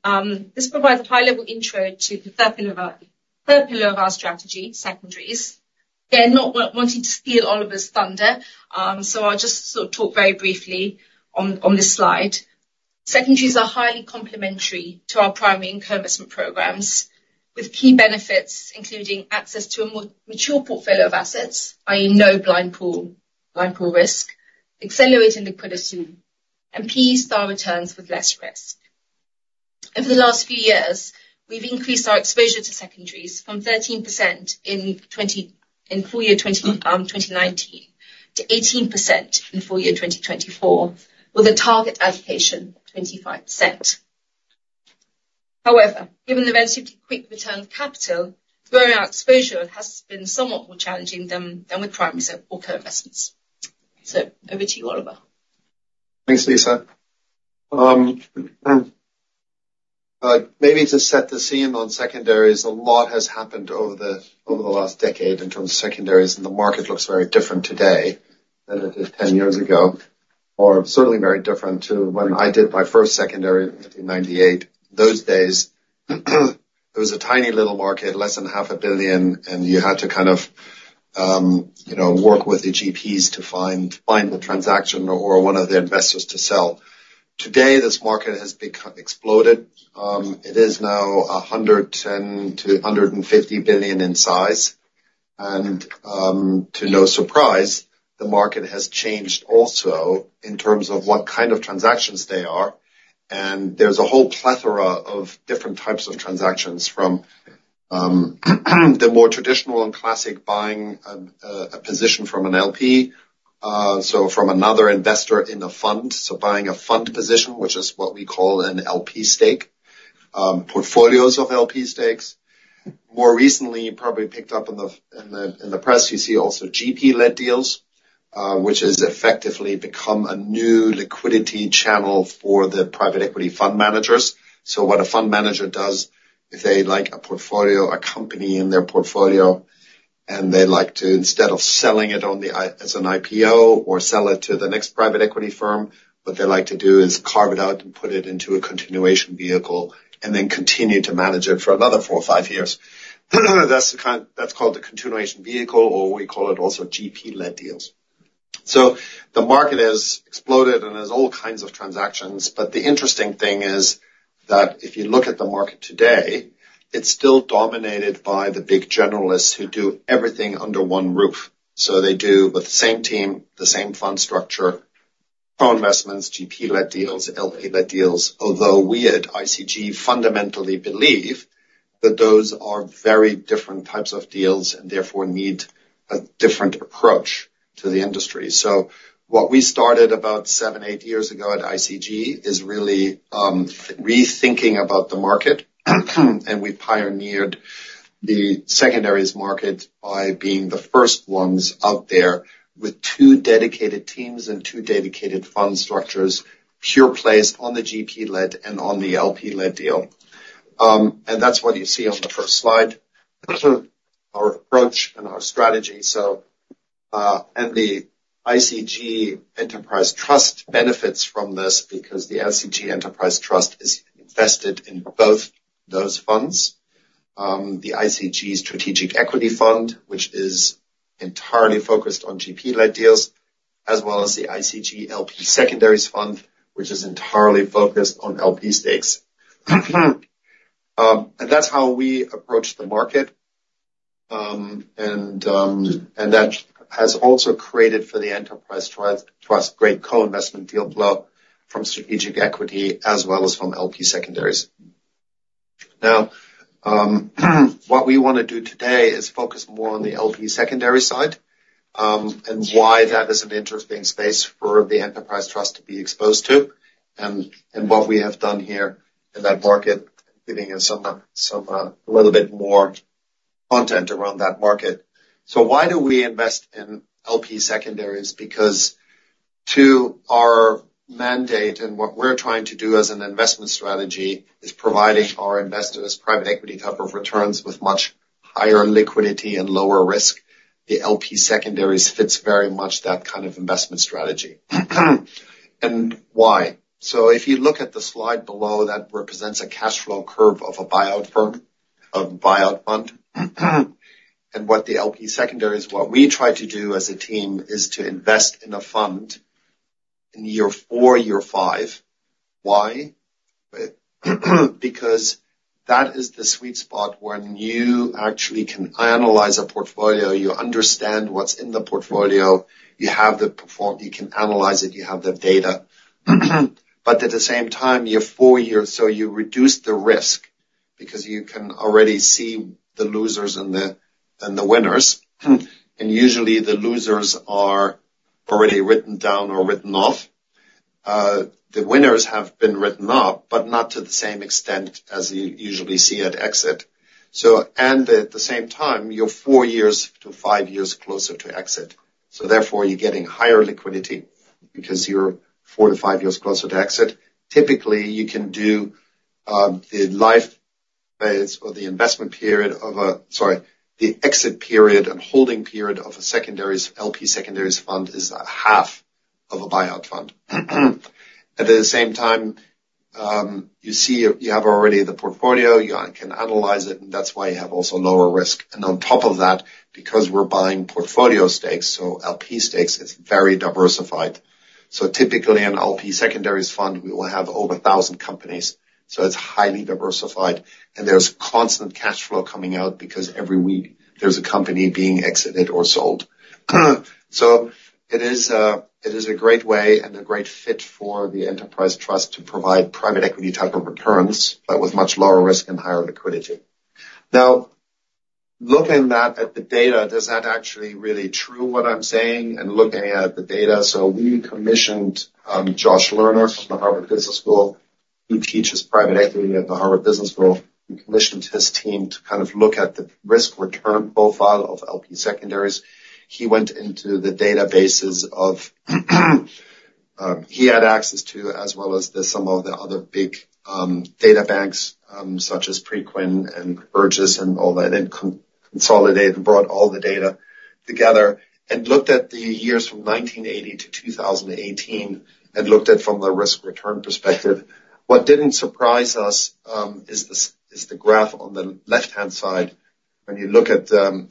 this provides a high-level intro to the third pillar of our third pillar of our strategy, secondaries. Again, not wanting to steal Oliver's thunder, so I'll just sort of talk very briefly on, on this slide. Secondaries are highly complementary to our primary and co-investment programs, with key benefits, including access to a more mature portfolio of assets, i.e., no blind pool, blind pool risk, accelerated liquidity, and PE-style returns with less risk. Over the last few years, we've increased our exposure to secondaries from 13% in twenty-- in full year twenty, twenty nineteen, to 18% in full year twenty twenty-four, with a target allocation of 25%. However, given the relatively quick return of capital, growing our exposure has been somewhat more challenging than, than with primaries or co-investments. So over to you, Oliver. Thanks, Lise.... Maybe to set the scene on secondaries, a lot has happened over the last decade in terms of secondaries, and the market looks very different today than it did 10 years ago, or certainly very different to when I did my first secondary in 1998. Those days, it was a tiny little market, less than $500 million, and you had to kind of, you know, work with your GPs to find the transaction or one of their investors to sell. Today, this market has become exploded. It is now $110 billion-$150 billion in size, and, to no surprise, the market has changed also in terms of what kind of transactions they are. There's a whole plethora of different types of transactions, from, the more traditional and classic buying, a position from an LP, so from another investor in the fund, so buying a fund position, which is what we call an LP stake, portfolios of LP stakes. More recently, you probably picked up on the, in the, in the press, you see also GP-led deals, which has effectively become a new liquidity channel for the private equity fund managers. So what a fund manager does, if they like a portfolio, a company in their portfolio, and they'd like to, instead of selling it on the IPO or sell it to the next private equity firm, what they like to do is carve it out and put it into a continuation vehicle and then continue to manage it for another 4 or 5 years. That's the kind... That's called the continuation vehicle, or we call it also GP-led deals. So the market has exploded, and there's all kinds of transactions, but the interesting thing is that if you look at the market today, it's still dominated by the big generalists who do everything under one roof. So they do with the same team, the same fund structure, co-investments, GP-led deals, LP-led deals, although we at ICG fundamentally believe that those are very different types of deals and therefore need a different approach to the industry. So what we started about seven, eight years ago at ICG is really, rethinking about the market, and we pioneered the secondaries market by being the first ones out there with two dedicated teams and two dedicated fund structures, pure plays on the GP-led and on the LP-led deal. And that's what you see on the first slide, our approach and our strategy. So, and the ICG Enterprise Trust benefits from this because the ICG Enterprise Trust is invested in both those funds, the ICG Strategic Equity Fund, which is entirely focused on GP-led deals, as well as the ICG LP Secondaries Fund, which is entirely focused on LP stakes. And that's how we approach the market. And, and that has also created for the Enterprise Trust, Trust great co-investment deal flow from strategic equity as well as from LP secondaries. Now, what we want to do today is focus more on the LP secondary side, and why that is an interesting space for the Enterprise Trust to be exposed to, and, and what we have done here in that market, giving you some, some, a little bit more content around that market. So why do we invest in LP secondaries? Because to our mandate, and what we're trying to do as an investment strategy, is providing our investors private equity type of returns with much higher liquidity and lower risk. The LP secondaries fits very much that kind of investment strategy. And why? So if you look at the slide below, that represents a cash flow curve of a buyout firm, a buyout fund. And what the LP secondaries, what we try to do as a team, is to invest in a fund in year four, year five. Why? Because that is the sweet spot when you actually can analyze a portfolio, you understand what's in the portfolio, you can analyze it, you have the data. But at the same time, you're four years, so you reduce the risk, because you can already see the losers and the, and the winners, and usually the losers are already written down or written off. The winners have been written up, but not to the same extent as you usually see at exit. So, and at the same time, you're four years to five years closer to exit, so therefore, you're getting higher liquidity, because you're four to five years closer to exit. Typically, you can do the life phase or the investment period of a... Sorry, the exit period and holding period of a secondaries, LP secondaries fund is half of a buyout fund. At the same time, you see, you have already the portfolio, you can analyze it, and that's why you have also lower risk. And on top of that, because we're buying portfolio stakes, so LP stakes, it's very diversified. So typically, an LP secondaries fund, we will have over 1,000 companies, so it's highly diversified, and there's constant cash flow coming out, because every week there's a company being exited or sold. So it is, it is a great way and a great fit for the Enterprise Trust to provide private equity type of returns, but with much lower risk and higher liquidity. Now, looking back at the data, is that actually really true, what I'm saying, and looking at the data? So we commissioned Josh Lerner from the Harvard Business School. He teaches private equity at the Harvard Business School, commissioned his team to kind of look at the risk-return profile of LP secondaries. He went into the databases of he had access to, as well as the, some of the other big, data banks, such as Preqin and Burgiss and all that, and consolidated and brought all the data together and looked at the years from 1980 to 2018, and looked at from a risk-return perspective. What didn't surprise us is the graph on the left-hand side. When you look at the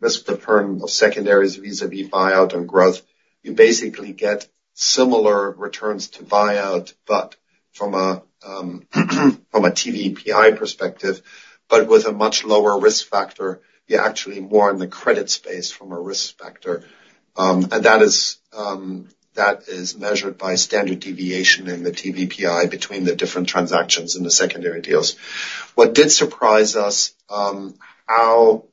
risk return of secondaries vis-à-vis buyout and growth, you basically get similar returns to buyout, but from a TVPI perspective, but with a much lower risk factor, you're actually more in the credit space from a risk factor. And that is measured by standard deviation in the TVPI between the different transactions and the secondary deals. What did surprise us, how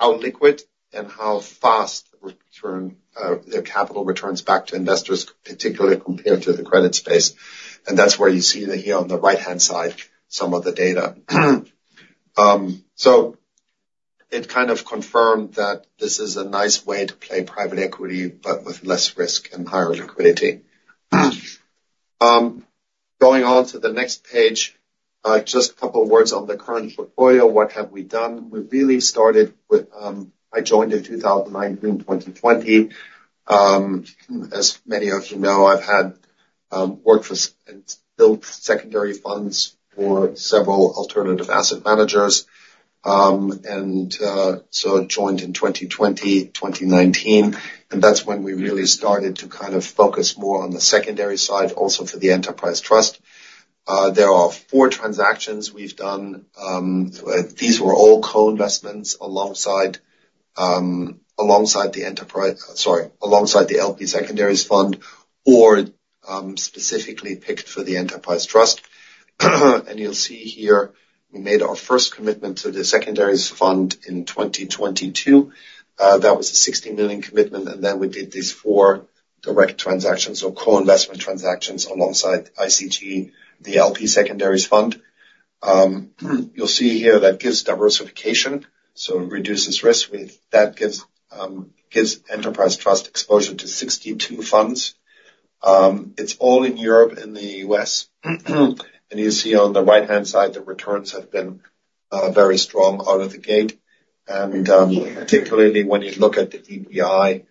liquid and how fast return, the capital returns back to investors, particularly compared to the credit space, and that's where you see that here on the right-hand side, some of the data. So it kind of confirmed that this is a nice way to play private equity, but with less risk and higher liquidity. Going on to the next page, just a couple of words on the current portfolio. What have we done? We really started with... I joined in 2019, 2020. As many of you know, I've had, worked with and built secondary funds for several alternative asset managers. And, so I joined in 2020, 2019, and that's when we really started to kind of focus more on the secondary side, also for the Enterprise Trust. There are four transactions we've done. These were all co-investments alongside, alongside the Enterprise - sorry, alongside the LP Secondaries Fund or, specifically picked for the Enterprise Trust. And you'll see here, we made our first commitment to the Secondaries Fund in 2022. That was a 60 million commitment, and then we did these four direct transactions or co-investment transactions alongside ICG, the LP Secondaries Fund. You'll see here that gives diversification, so it reduces risk. With that, gives Enterprise Trust exposure to 62 funds. It's all in Europe and the US. And you see on the right-hand side, the returns have been, very strong out of the gate. And, particularly when you look at the DPI,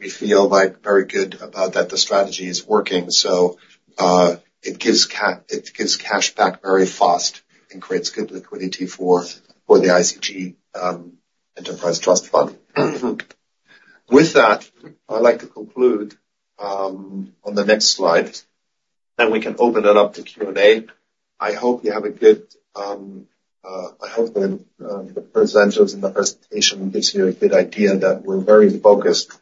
we feel like very good about that, the strategy is working. So, it gives cash back very fast and creates good liquidity for the ICG Enterprise Trust Fund. With that, I'd like to conclude on the next slide, then we can open it up to Q&A. I hope you have a good, I hope the, the presenters and the presentation gives you a good idea that we're very focused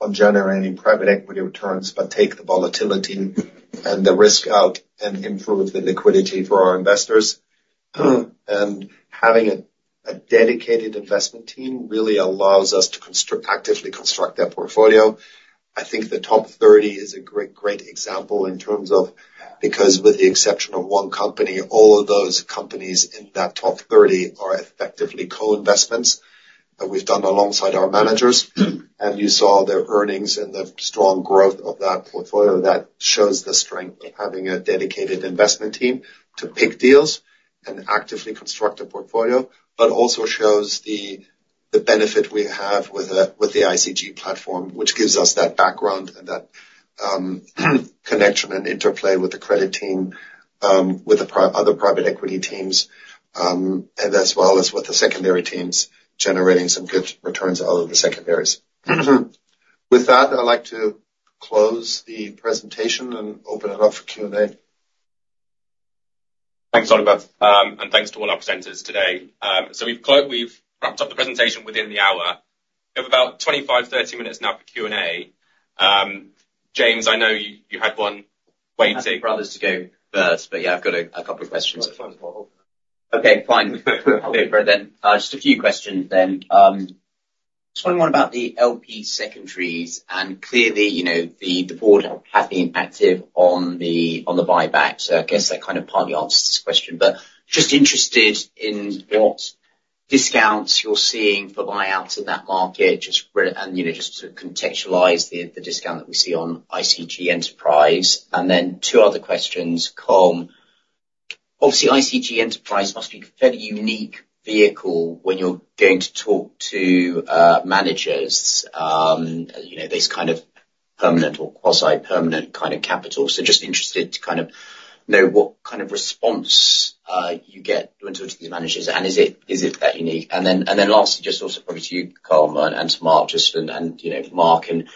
on generating private equity returns, but take the volatility and the risk out and improve the liquidity for our investors. Having a dedicated investment team really allows us to actively construct that portfolio. I think the top 30 is a great, great example in terms of... Because with the exception of one company, all of those companies in that top 30 are effectively co-investments that we've done alongside our managers. You saw their earnings and the strong growth of that portfolio. That shows the strength of having a dedicated investment team to pick deals and actively construct a portfolio, but also shows the benefit we have with the ICG platform, which gives us that background and that connection and interplay with the credit team, with the other private equity teams, and as well as with the secondary teams, generating some good returns out of the secondaries. With that, I'd like to close the presentation and open it up for Q&A. Thanks, Oliver. Thanks to all our presenters today. We've wrapped up the presentation within the hour. We have about 25-30 minutes now for Q&A. James, I know you had one waiting. I'll let my brothers to go first, but, yeah, I've got a couple of questions. Okay, fine. Okay, then, just a few questions then. Just wondering about the LP secondaries, and clearly, you know, the board have been active on the buyback, so I guess that kind of partly answers this question. But just interested in what discounts you're seeing for buyouts in that market, you know, just to contextualize the discount that we see on ICG Enterprise. And then two other questions, Colm. Obviously, ICG Enterprise must be a fairly unique vehicle when you're going to talk to managers, you know, this kind of permanent or quasi-permanent kind of capital. So just interested to kind of know what kind of response you get when talking to these managers, and is it that unique? And then lastly, just also probably to you, Colm, and to Mark, you know, Mark and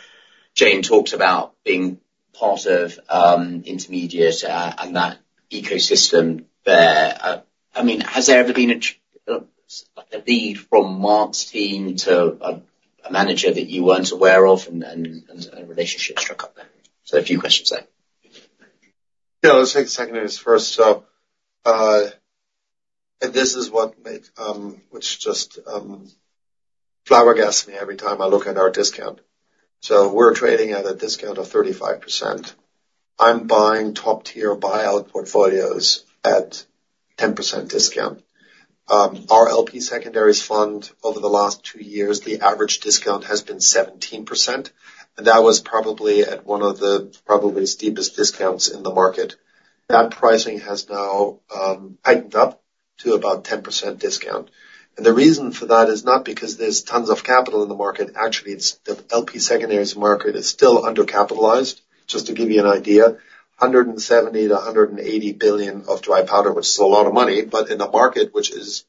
Jane talked about being part of Intermediate and that ecosystem there. I mean, has there ever been like a lead from Mark's team to a manager that you weren't aware of and a relationship struck up there? So a few questions there. Yeah, let's take the secondaries first. So, this is what flabbergasts me every time I look at our discount. So we're trading at a discount of 35%. I'm buying top-tier buyout portfolios at 10% discount. Our LP secondaries fund, over the last two years, the average discount has been 17%, and that was probably at one of the steepest discounts in the market. That pricing has now tightened up to about 10% discount. And the reason for that is not because there's tons of capital in the market. Actually, it's the LP secondaries market is still undercapitalized. Just to give you an idea, $170-$180 billion of dry powder, which is a lot of money, but in the market, which is,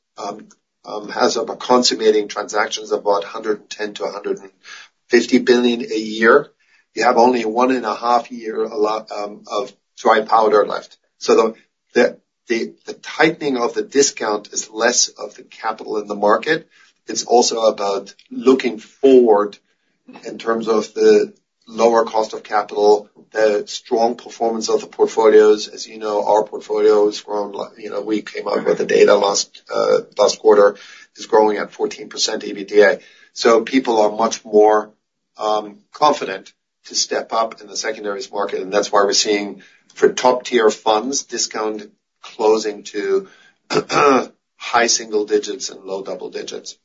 has consummated transactions of about $110-$150 billion a year, you have only 1.5 years allocation of dry powder left. So the tightening of the discount is less of the capital in the market. It's also about looking forward in terms of the lower cost of capital, the strong performance of the portfolios. As you know, our portfolios from like, you know, we came out with the data last quarter, is growing at 14% EBITDA. So people are much more confident to step up in the secondaries market, and that's why we're seeing, for top-tier funds, discount closing to high single digits and low double digits.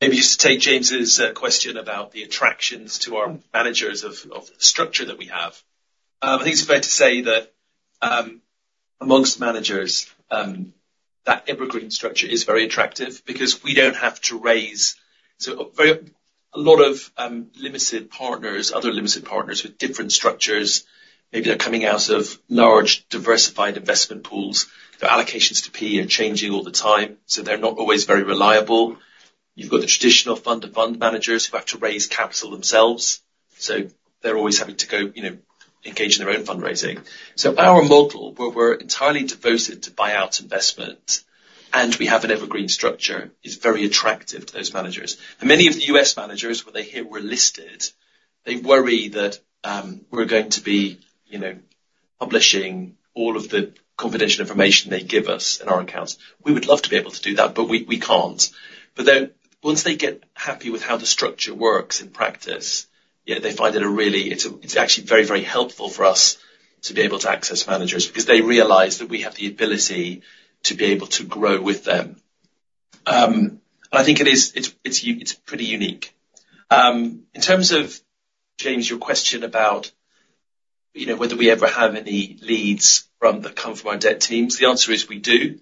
Maybe just to take James's question about the attractions to our managers of the structure that we have. I think it's fair to say that among managers that evergreen structure is very attractive because we don't have to raise. A lot of limited partners, other limited partners with different structures, maybe they're coming out of large, diversified investment pools. Their allocations to P are changing all the time, so they're not always very reliable. You've got the traditional fund to fund managers who have to raise capital themselves, so they're always having to go, you know, engage in their own fundraising. So our model, where we're entirely devoted to buyout investment, and we have an evergreen structure, is very attractive to those managers. And many of the U.S. managers, when they hear we're listed, they worry that, you know, we're going to be publishing all of the confidential information they give us in our accounts. We would love to be able to do that, but we, we can't. But then once they get happy with how the structure works in practice, yeah, they find it a really, it's actually very, very helpful for us to be able to access managers because they realize that we have the ability to be able to grow with them. And I think it is, it's pretty unique. In terms of, James, your question about, you know, whether we ever have any leads from the debt teams, the answer is we do.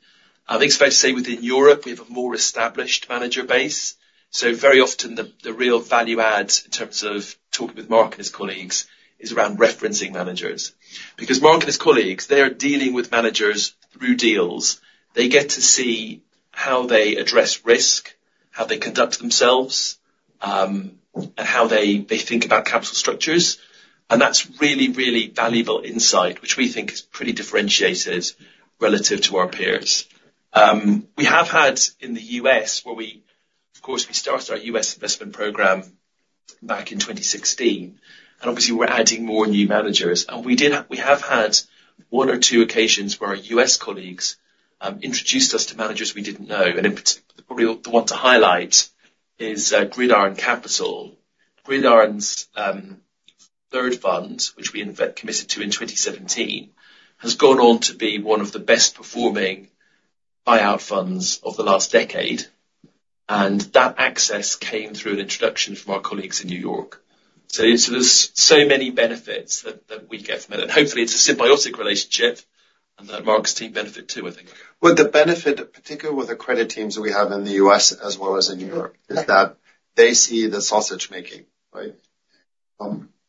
I think it's fair to say, within Europe, we have a more established manager base. So very often, the real value adds, in terms of talking with Mark and his colleagues, is around referencing managers. Because Mark and his colleagues, they are dealing with managers through deals. They get to see how they address risk, how they conduct themselves, and how they think about capital structures. And that's really, really valuable insight, which we think is pretty differentiated relative to our peers. We have had in the U.S., where we. Of course, we started our U.S. investment program back in 2016, and obviously, we're adding more new managers. And we have had one or two occasions where our U.S. colleagues introduced us to managers we didn't know. And in particular, probably the one to highlight is Gridiron Capital. Gridiron's third fund, which we in fact committed to in 2017, has gone on to be one of the best performing buyout funds of the last decade, and that access came through an introduction from our colleagues in New York. There's so many benefits that we get from it, and hopefully, it's a symbiotic relationship, and that Mark's team benefit, too, I think. Well, the benefit, particularly with the credit teams that we have in the U.S. as well as in Europe, is that they see the sausage-making, right?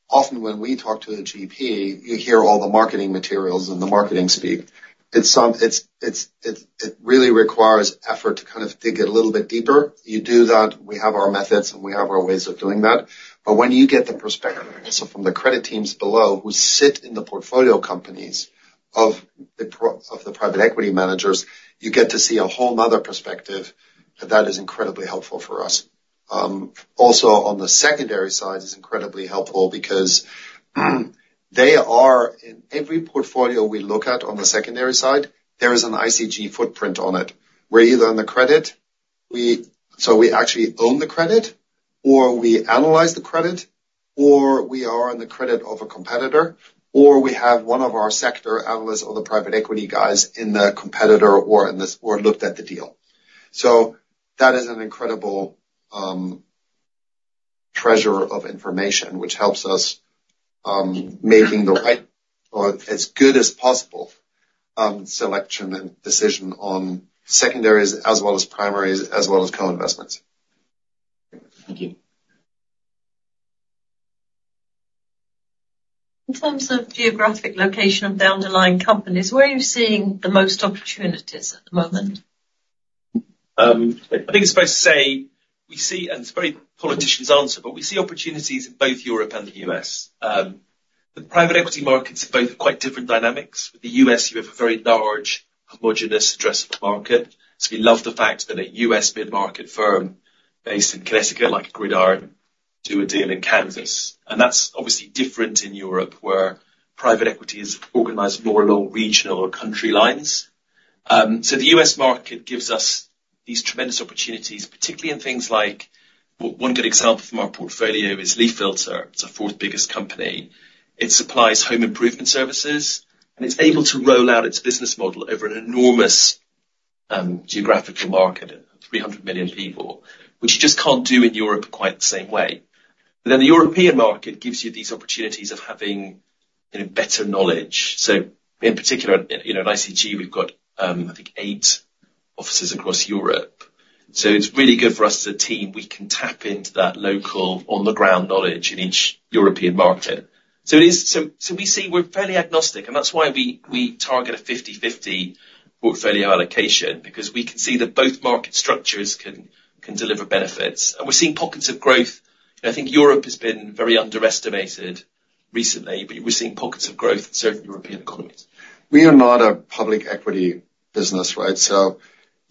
Often, when we talk to a GP, you hear all the marketing materials and the marketing speak. It really requires effort to kind of dig a little bit deeper. You do that, we have our methods, and we have our ways of doing that. But when you get the perspective also from the credit teams below, who sit in the portfolio companies of the private equity managers, you get to see a whole another perspective, and that is incredibly helpful for us. Also, on the secondary side, it's incredibly helpful because they are in every portfolio we look at on the secondary side, there is an ICG footprint on it. We're either on the credit, So we actually own the credit, or we analyze the credit, or we are on the credit of a competitor, or we have one of our sector analysts or the private equity guys in the competitor or in this, or looked at the deal. So that is an incredible treasure of information, which helps us making the right or as good as possible selection and decision on secondaries, as well as primaries, as well as co-investments. Thank you. In terms of geographic location of the underlying companies, where are you seeing the most opportunities at the moment? I think it's fair to say we see, and it's a very politician's answer, but we see opportunities in both Europe and the U.S. The private equity markets are both quite different dynamics. With the U.S., you have a very large, homogenous addressable market. So we love the fact that a U.S. mid-market firm based in Connecticut, like Gridiron, do a deal in Kansas, and that's obviously different in Europe, where private equity is organized more along regional or country lines. So the U.S. market gives us these tremendous opportunities, particularly in things like one good example from our portfolio is LeafFilter. It's the fourth biggest company. It supplies home improvement services, and it's able to roll out its business model over an enormous geographical market, 300 million people, which you just can't do in Europe quite the same way. But then the European market gives you these opportunities of having, you know, better knowledge. So in particular, you know, in ICG, we've got, I think eight offices across Europe. So it's really good for us as a team. We can tap into that local, on-the-ground knowledge in each European market. So it is, so we see we're fairly agnostic, and that's why we target a 50/50 portfolio allocation because we can see that both market structures can deliver benefits. And we're seeing pockets of growth, and I think Europe has been very underestimated recently, but we're seeing pockets of growth in certain European economies. We are not a public equity business, right? So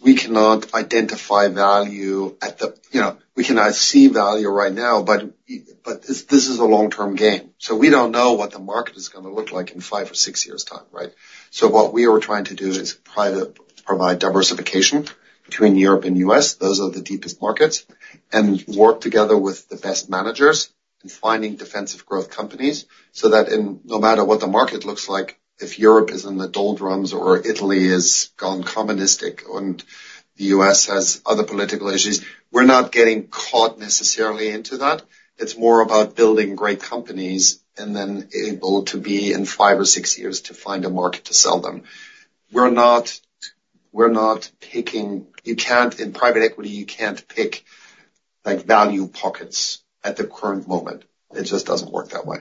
we cannot identify value at the... You know, we cannot see value right now, but this, this is a long-term game. So we don't know what the market is gonna look like in five or six years' time, right? So what we are trying to do is try to provide diversification between Europe and US, those are the deepest markets, and work together with the best managers in finding defensive growth companies, so that in no matter what the market looks like, if Europe is in the doldrums or Italy has gone communistic, and the US has other political issues, we're not getting caught necessarily into that. It's more about building great companies and then able to be, in five or six years, to find a market to sell them. We're not, we're not picking... You can't, in private equity, you can't pick, like, value pockets at the current moment. It just doesn't work that way.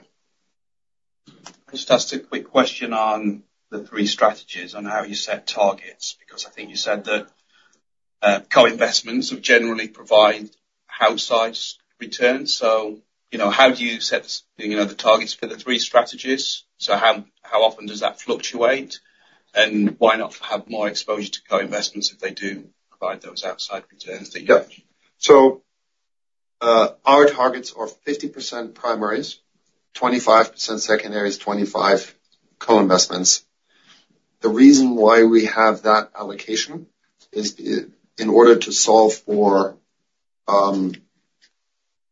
Just ask a quick question on the three strategies on how you set targets, because I think you said that co-investments would generally provide outsized returns. So, you know, how do you set, you know, the targets for the three strategies? So how often does that fluctuate, and why not have more exposure to co-investments if they do provide those outsized returns that you- Yeah. So, our targets are 50% primaries, 25% secondaries, 25% co-investments. The reason why we have that allocation is in order to solve for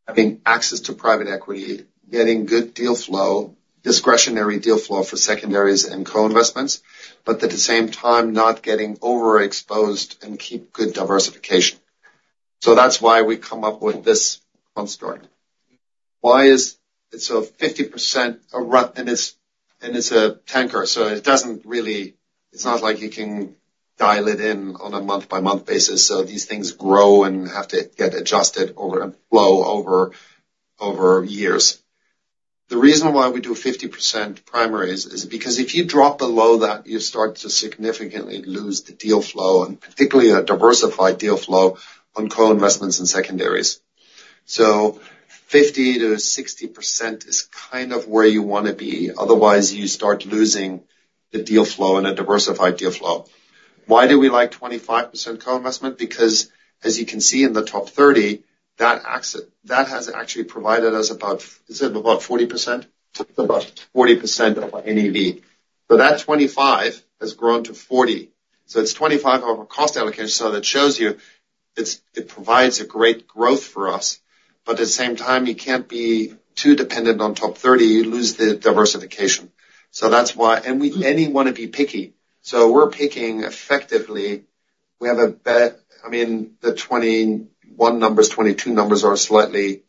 having access to private equity, getting good deal flow, discretionary deal flow for secondaries and co-investments, but at the same time, not getting overexposed and keep good diversification. So that's why we come up with this construct. So 50% and it's a tanker, so it doesn't really... It's not like you can dial it in on a month-by-month basis, so these things grow and have to get adjusted over the long haul, over years. The reason why we do 50% primaries is because if you drop below that, you start to significantly lose the deal flow, and particularly in a diversified deal flow, on co-investments and secondaries. So 50%-60% is kind of where you want to be. Otherwise, you start losing the deal flow in a diversified deal flow. Why do we like 25% co-investment? Because, as you can see in the top 30, that has actually provided us about, is it about 40%? About 40% of our NAV. So that 25 has grown to 40, so it's 25 of our cost allocation, so that shows you, it provides a great growth for us, but at the same time, you can't be too dependent on top 30. You lose the diversification. So that's why... And we want to be picky, so we're picking effectively. I mean, the 2021 numbers, 2022 numbers are slightly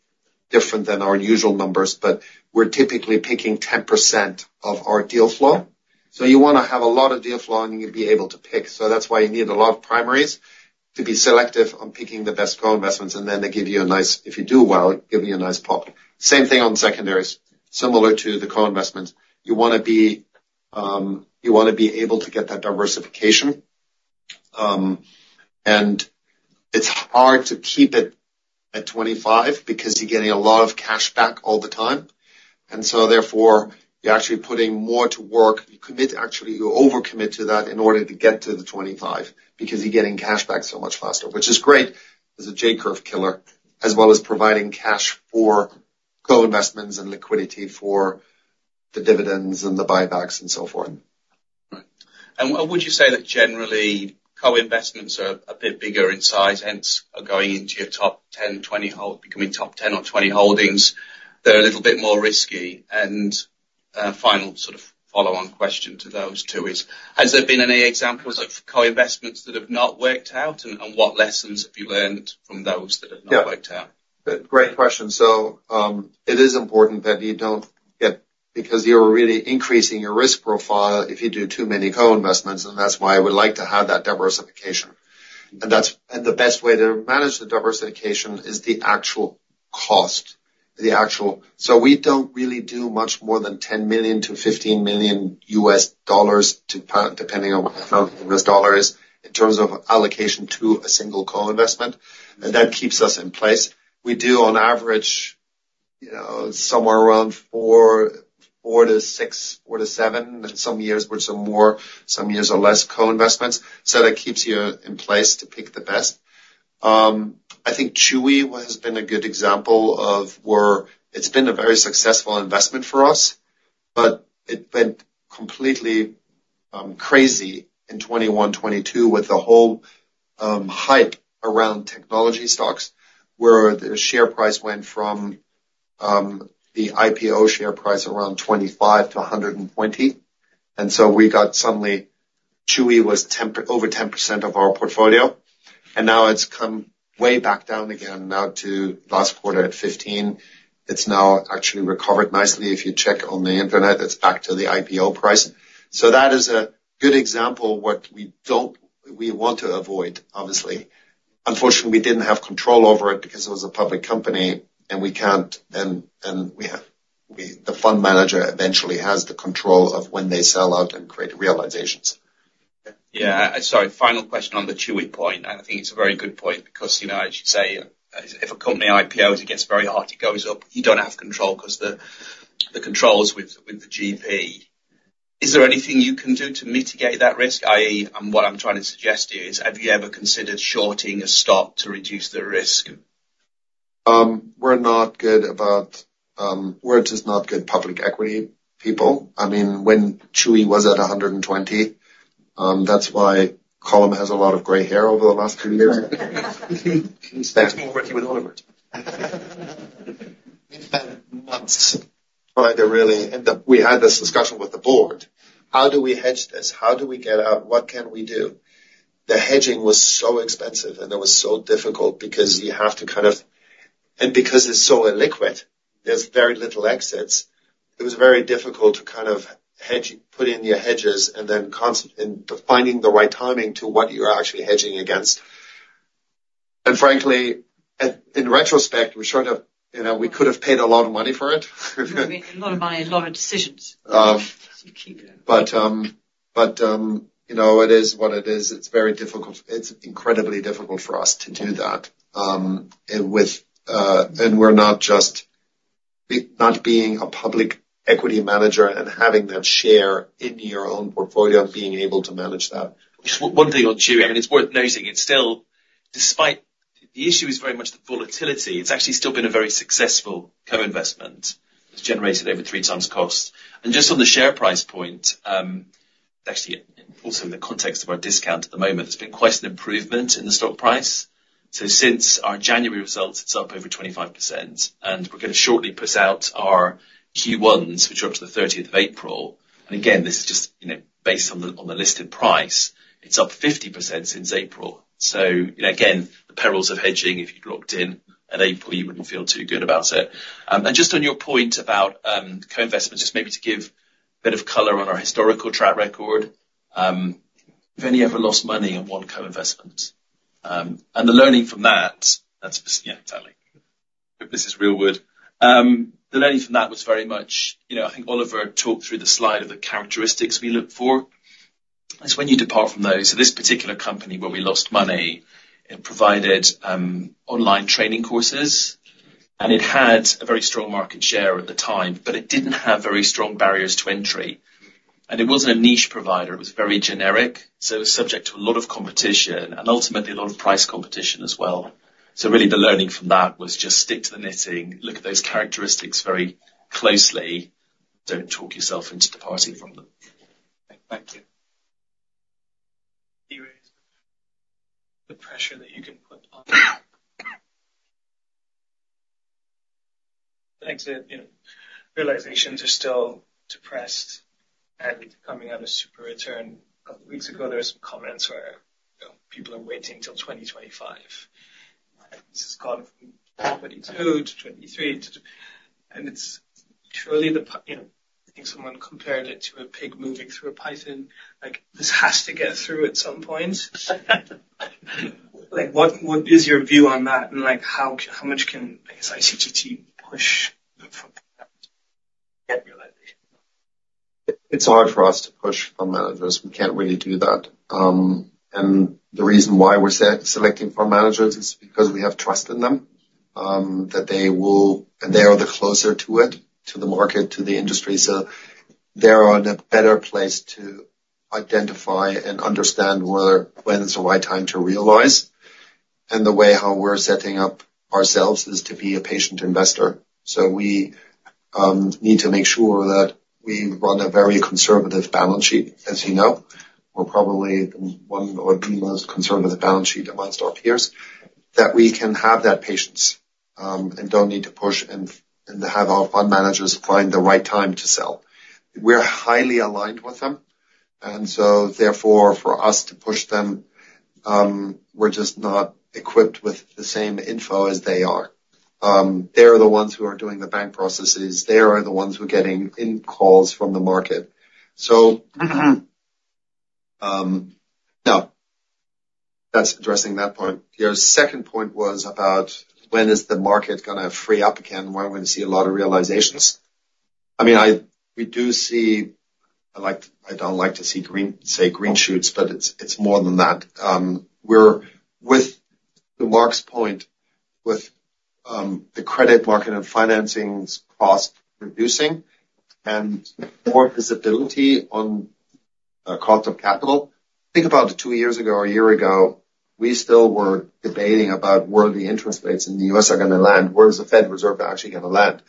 different than our usual numbers, but we're typically picking 10% of our deal flow. So you wanna have a lot of deal flow, and you need to be able to pick, so that's why you need a lot of primaries to be selective on picking the best co-investments, and then they give you a nice... If you do well, it'll give you a nice pop. Same thing on secondaries, similar to the co-investments. You wanna be, you wanna be able to get that diversification, and it's hard to keep it at 25 because you're getting a lot of cash back all the time, and so therefore, you're actually putting more to work. You commit, actually, you overcommit to that in order to get to the 25, because you're getting cash back so much faster, which is great as a J-curve killer, as well as providing cash for co-investments and liquidity for the dividends and the buybacks and so forth. Right. And would you say that generally, co-investments are a bit bigger in size, hence are going into your top 10, 20 holdings, becoming top 10 or 20 holdings? They're a little bit more risky, and final sort of follow-on question to those two is, has there been any examples of co-investments that have not worked out, and what lessons have you learned from those that have not worked out? Yeah. Great question. So, it is important that you don't get... Because you're really increasing your risk profile if you do too many co-investments, and that's why we like to have that diversification. And the best way to manage the diversification is the actual cost, the actual... So we don't really do much more than $10 million-$15 million, depending on what the dollar is, in terms of allocation to a single co-investment, and that keeps us in place. We do, on average, you know, somewhere around 4-6, 4-7, some years were some more, some years are less co-investments. So that keeps you in place to pick the best. I think Chewy has been a good example of where it's been a very successful investment for us, but it went completely crazy in 2021, 2022, with the whole hype around technology stocks, where the share price went from the IPO share price around $25 to $120. And so we got suddenly, Chewy was over 10% of our portfolio, and now it's come way back down again, now to last quarter at 15%. It's now actually recovered nicely. If you check on the internet, it's back to the IPO price. So that is a good example of what we don't want to avoid, obviously. Unfortunately, we didn't have control over it because it was a public company, and we can't, and the fund manager eventually has the control of when they sell out and create realizations. Yeah. Sorry, final question on the Chewy point, and I think it's a very good point because, you know, as you say, if a company IPOs, it gets very hot, it goes up. You don't have control because the, the controls with, with the GP. Is there anything you can do to mitigate that risk? i.e., and what I'm trying to suggest to you is, have you ever considered shorting a stock to reduce the risk? We're just not good public equity people. I mean, when Chewy was at $120, that's why Colm has a lot of gray hair over the last two years. He starts working with Oliver. We've had months. We had this discussion with the board. How do we hedge this? How do we get out? What can we do? The hedging was so expensive, and it was so difficult because you have to and because it's so illiquid, there's very little exits. It was very difficult to kind of hedge, put in your hedges and then and finding the right timing to what you're actually hedging against. And frankly, in retrospect, we should have, you know, we could have paid a lot of money for it. A lot of money and a lot of decisions. You know, it is what it is. It's very difficult. It's incredibly difficult for us to do that, and we're not just being a public equity manager and having that share in your own portfolio, being able to manage that. Just one thing on Chewy, I mean, it's worth noting, it's still, despite the issue is very much the volatility. It's actually still been a very successful co-investment. It's generated over 3x cost. And just on the share price point, actually, also in the context of our discount at the moment, it's been quite an improvement in the stock price. So since our January results, it's up over 25%, and we're going to shortly put out our Q1s, which are up to the thirtieth of April. And again, this is just, you know, based on the, on the listed price. It's up 50% since April. So, again, the perils of hedging, if you'd locked in at April, you wouldn't feel too good about it. And just on your point about co-investment, just maybe to give a bit of color on our historical track record. If any, ever lost money on one co-investment, and the learning from that, that's, yeah, totally. This is real world. The learning from that was very much, you know, I think Oliver talked through the slide of the characteristics we look for. It's when you depart from those, so this particular company where we lost money, it provided online training courses, and it had a very strong market share at the time, but it didn't have very strong barriers to entry, and it wasn't a niche provider. It was very generic, so it was subject to a lot of competition and ultimately a lot of price competition as well. So really, the learning from that was just stick to the knitting, look at those characteristics very closely. Don't talk yourself into departing from them. Thank you. The pressure that you can put on. Like I said, you know, realizations are still depressed and coming out of SuperReturn. A couple weeks ago, there was comments where, you know, people are waiting till 2025. This has gone from 2022 to 2023 to... And it's truly the pipeline, you know, I think someone compared it to a pig moving through a python. Like, this has to get through at some point. Like, what, what is your view on that? And like, how, how much can, I guess, ICG push the realization? It's hard for us to push our managers. We can't really do that, and the reason why we're selecting for managers is because we have trust in them, that they will... And they are closer to it, to the market, to the industry. So they are in a better place to identify and understand whether, when is the right time to realize, and the way how we're setting up ourselves is to be a patient investor. So we need to make sure that we run a very conservative balance sheet, as you know. We're probably one of the most conservative balance sheet among our peers, that we can have that patience, and don't need to push and have our fund managers find the right time to sell. We're highly aligned with them, and so therefore, for us to push them, we're just not equipped with the same info as they are. They are the ones who are doing the bank processes. They are the ones who are getting in calls from the market. So, now, that's addressing that point. Your second point was about when is the market gonna free up again, when we're going to see a lot of realizations. I mean, we do see. I don't like to see green, say, green shoots, but it's, it's more than that. To Mark's point, with the credit market and financings cost reducing and more visibility on cost of capital, think about two years ago or a year ago, we still were debating about where the interest rates in the U.S. are gonna land. Where is the Fed Reserve actually gonna land?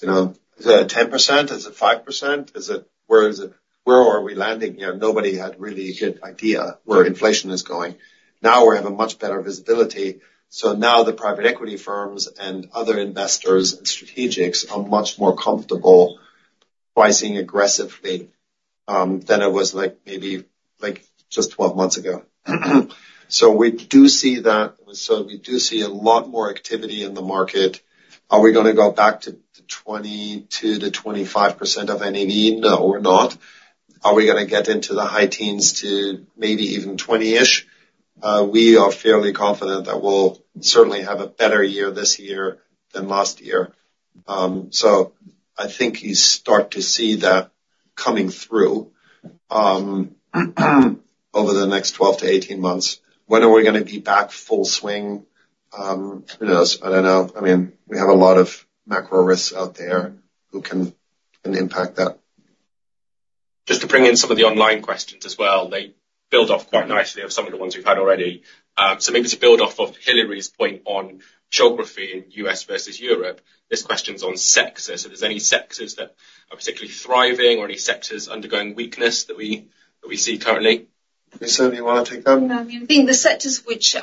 You know, is it at 10%, is it 5%? Is it where is it? Where are we landing here? Nobody had really a good idea where inflation is going. Now, we have a much better visibility, so now the private equity firms and other investors and strategics are much more comfortable pricing aggressively than it was like maybe like just 12 months ago. So we do see that. So we do see a lot more activity in the market. Are we gonna go back to 22%-25% of NAV? No, we're not. Are we gonna get into the high teens to maybe even 20-ish? We are fairly confident that we'll certainly have a better year this year than last year. I think you start to see that coming through over the next 12-18 months. When are we gonna be back full swing? Who knows? I don't know. I mean, we have a lot of macro risks out there who can impact that. Just to bring in some of the online questions as well, they build off quite nicely of some of the ones we've had already. So maybe to build off of Hillary's point on geography in U.S. versus Europe, this question's on sectors. So if there's any sectors that are particularly thriving or any sectors undergoing weakness that we see currently. Lise, you wanna take that? No, I think the sectors which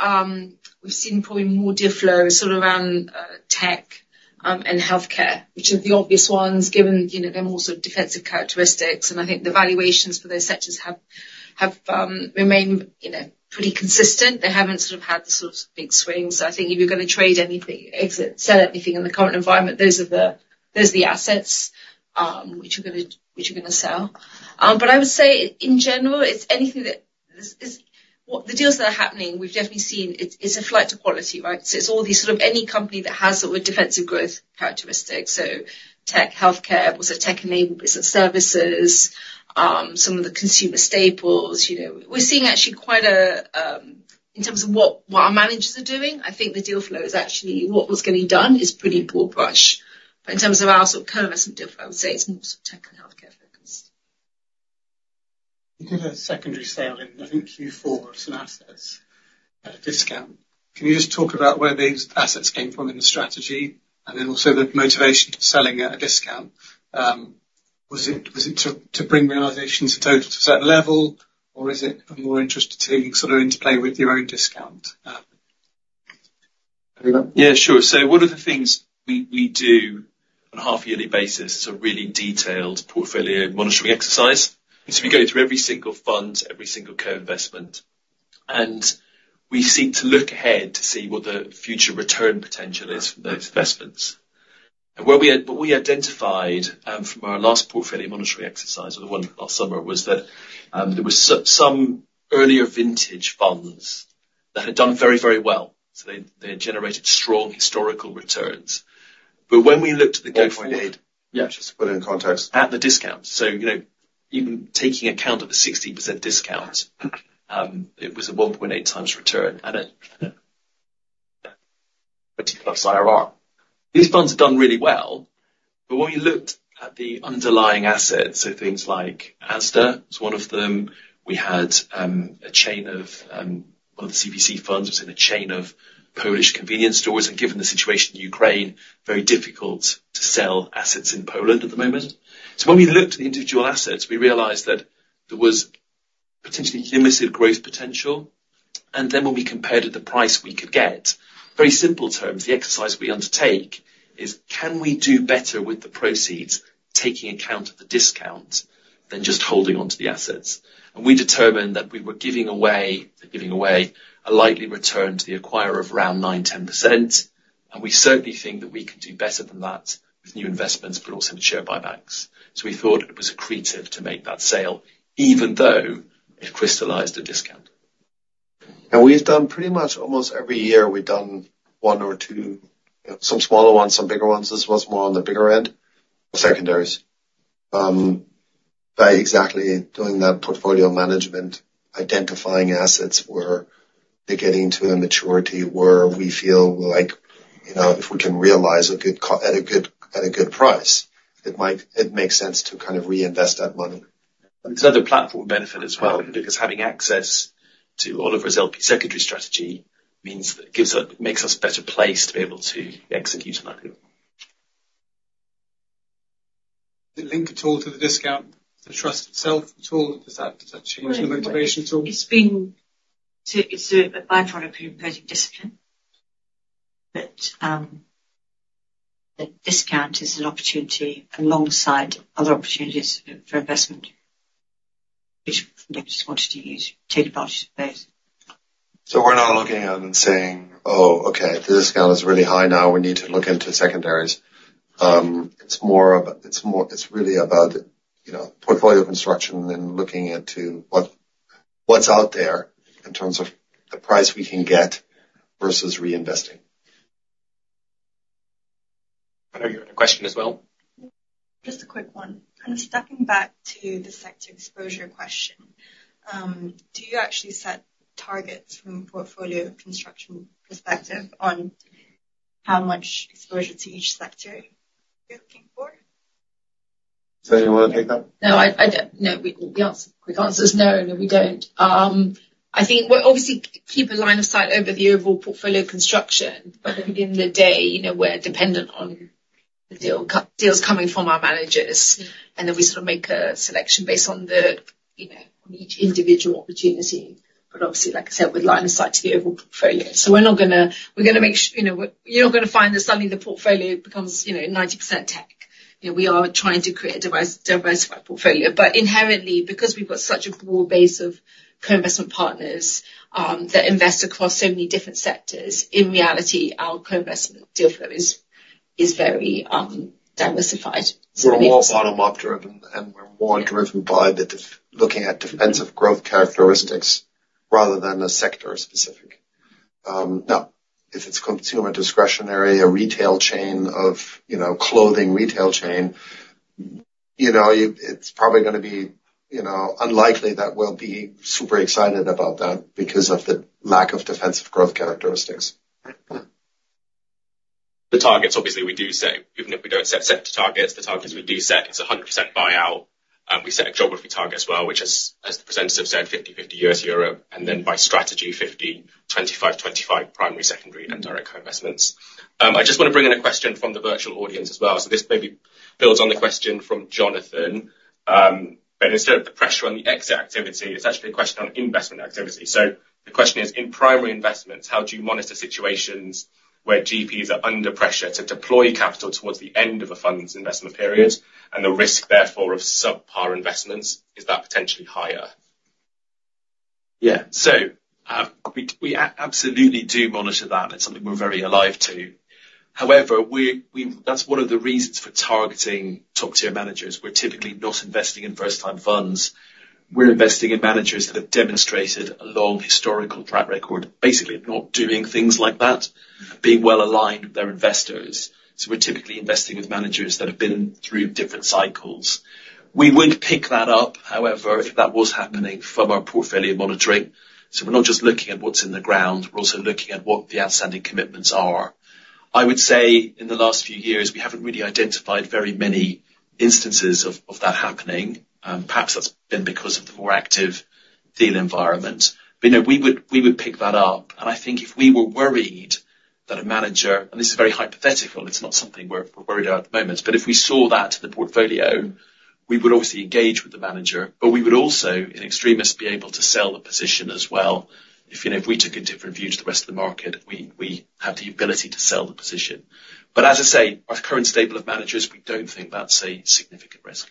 we've seen probably more deal flow is sort of around tech and healthcare, which are the obvious ones, given, you know, they're more sort of defensive characteristics, and I think the valuations for those sectors have remained, you know, pretty consistent. They haven't sort of had the sort of big swings. I think if you're gonna trade anything, exit, sell anything in the current environment, those are the assets which you're gonna sell. But I would say, in general, it's anything that is. Well, the deals that are happening, we've definitely seen it's a flight to quality, right? So it's all these sort of any company that has sort of defensive growth characteristics, so tech, healthcare, also tech-enabled business services, some of the consumer staples, you know. We're seeing actually quite a, in terms of what our managers are doing, I think the deal flow is actually what was getting done is pretty broad brush. But in terms of our sort of co-investment deal flow, I would say it's more sort of tech and healthcare focused. You did a secondary sale in, I think, Q4 of some assets at a discount. Can you just talk about where these assets came from in the strategy, and then also the motivation to selling at a discount? Was it, was it to bring realizations total to a certain level, or is it more interested to sort of interplay with your own discount? Oliver. Yeah, sure. So one of the things we do on a half-yearly basis is a really detailed portfolio monitoring exercise. So we go through every single fund, every single co-investment, and we seek to look ahead to see what the future return potential is for those investments. And what we identified from our last portfolio monitoring exercise, or the one last summer, was that there were some earlier vintage funds that had done very, very well, so they had generated strong historical returns. But when we looked at the go-forward- Can I interject? Yeah. Just to put it in context. At the discount. So, you know, even taking account of the 60% discount, it was a 1.8x return, and it plus IRR. These funds have done really well, but when we looked at the underlying assets, so things like Asda was one of them. We had a chain of, well, the BC funds was in a chain of Polish convenience stores, and given the situation in Ukraine, very difficult to sell assets in Poland at the moment. So when we looked at the individual assets, we realized that there was potentially limited growth potential, and then when we compared it to the price we could get, very simple terms, the exercise we undertake is: Can we do better with the proceeds, taking account of the discount, than just holding onto the assets? We determined that we were giving away, giving away a likely return to the acquirer of around 9%-10%, and we certainly think that we can do better than that with new investments, but also in the share buybacks. We thought it was accretive to make that sale, even though it crystallized a discount. We've done pretty much, almost every year, we've done one or two, some smaller ones, some bigger ones. This was more on the bigger end, the secondaries. By exactly doing that portfolio management, identifying assets where they're getting to a maturity, where we feel like, you know, if we can realize a good at a good price, it makes sense to kind of reinvest that money. There's other platform benefit as well, because having access to Oliver's LP secondary strategy means that it makes us better placed to be able to execute on that. The link at all to the discount, the trust itself at all, does that, does that change the motivation at all? It's a by-product of investing discipline, but the discount is an opportunity alongside other opportunities for investment, which we just wanted to use, take advantage of those. So we're not looking at it and saying: "Oh, okay, the discount is really high now, we need to look into secondaries." It's more of a... It's really about, you know, portfolio construction and looking into what, what's out there in terms of the price we can get versus reinvesting.... I know you had a question as well. Just a quick one. Kind of stepping back to the sector exposure question, do you actually set targets from a portfolio construction perspective on how much exposure to each sector you're looking for? Marchal, you want to take that? No, I don't. No, the answer, quick answer is no. No, we don't. I think we obviously keep a line of sight over the overall portfolio construction, but at the end of the day, you know, we're dependent on the deals coming from our managers. Yeah. Then we sort of make a selection based on the, you know, each individual opportunity. But obviously, like I said, we have line of sight to the overall portfolio. So we're not gonna, you know, you're not gonna find that suddenly the portfolio becomes, you know, 90% tech. You know, we are trying to create a diversified portfolio. But inherently, because we've got such a broad base of co-investment partners that invest across so many different sectors, in reality, our co-investment deal flow is very diversified. We're more bottom-up driven, and we're more driven by looking at defensive growth characteristics rather than a sector-specific. Now, if it's consumer discretionary, a retail chain of, you know, clothing retail chain, you know, it's probably gonna be, you know, unlikely that we'll be super excited about that because of the lack of defensive growth characteristics. The targets, obviously, we do set, even if we don't set sector targets, the targets we do set, it's 100% buyout. We set a geography target as well, which is, as the presenters have said, 50/50 U.S./Europe, and then by strategy, 50, 25/25, primary, secondary, and direct co-investments. I just want to bring in a question from the virtual audience as well. So this maybe builds on the question from Jonathan, but instead of the pressure on the exit activity, it's actually a question on investment activity. So the question is: In primary investments, how do you monitor situations where GPs are under pressure to deploy capital towards the end of a fund's investment period, and the risk, therefore, of subpar investments, is that potentially higher? Yeah. So, we absolutely do monitor that. It's something we're very alive to. However, we, we... That's one of the reasons for targeting top-tier managers. We're typically not investing in first-time funds. We're investing in managers that have demonstrated a long historical track record, basically not doing things like that, being well aligned with their investors. So we're typically investing with managers that have been through different cycles. We would pick that up, however, if that was happening from our portfolio monitoring. So we're not just looking at what's in the ground, we're also looking at what the outstanding commitments are. I would say, in the last few years, we haven't really identified very many instances of that happening. Perhaps that's been because of the more active deal environment. But, you know, we would, we would pick that up, and I think if we were worried that a manager, and this is very hypothetical, it's not something we're, we're worried about at the moment, but if we saw that in the portfolio, we would obviously engage with the manager, but we would also, in extremis, be able to sell the position as well. If, you know, if we took a different view to the rest of the market, we, we have the ability to sell the position. But as I say, our current stable of managers, we don't think that's a significant risk.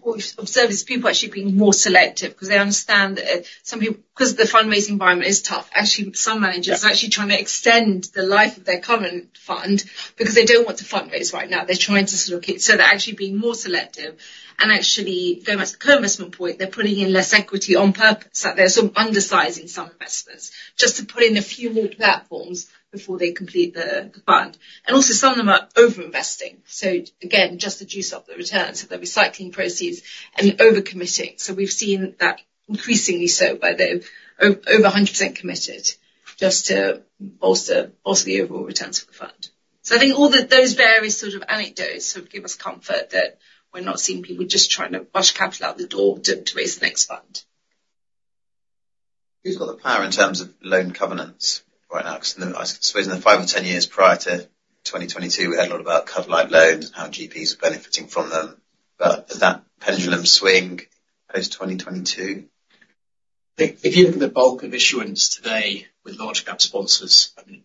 What we've observed is people actually being more selective because they understand that, some people because the fundraising environment is tough, actually, some managers- Yeah... are actually trying to extend the life of their current fund because they don't want to fundraise right now. They're trying to sort of keep... So they're actually being more selective and actually, going back to the co-investment point, they're putting in less equity on purpose. So they're undersizing some investments just to put in a few more platforms before they complete the fund. And also, some of them are overinvesting, so again, just to juice up the returns, so they're recycling proceeds and overcommitting. So we've seen that increasingly so, by the over 100% committed, just to bolster the overall returns for the fund. So I think all those various sort of anecdotes sort of give us comfort that we're not seeing people just trying to rush capital out the door to raise the next fund. Who's got the power in terms of loan covenants right now? Because I suppose in the 5 or 10 years prior to 2022, we heard a lot about cov-lite loans and how GPs are benefiting from them. But has that pendulum swing post-2022? If you look at the bulk of issuance today with large cap sponsors, I mean,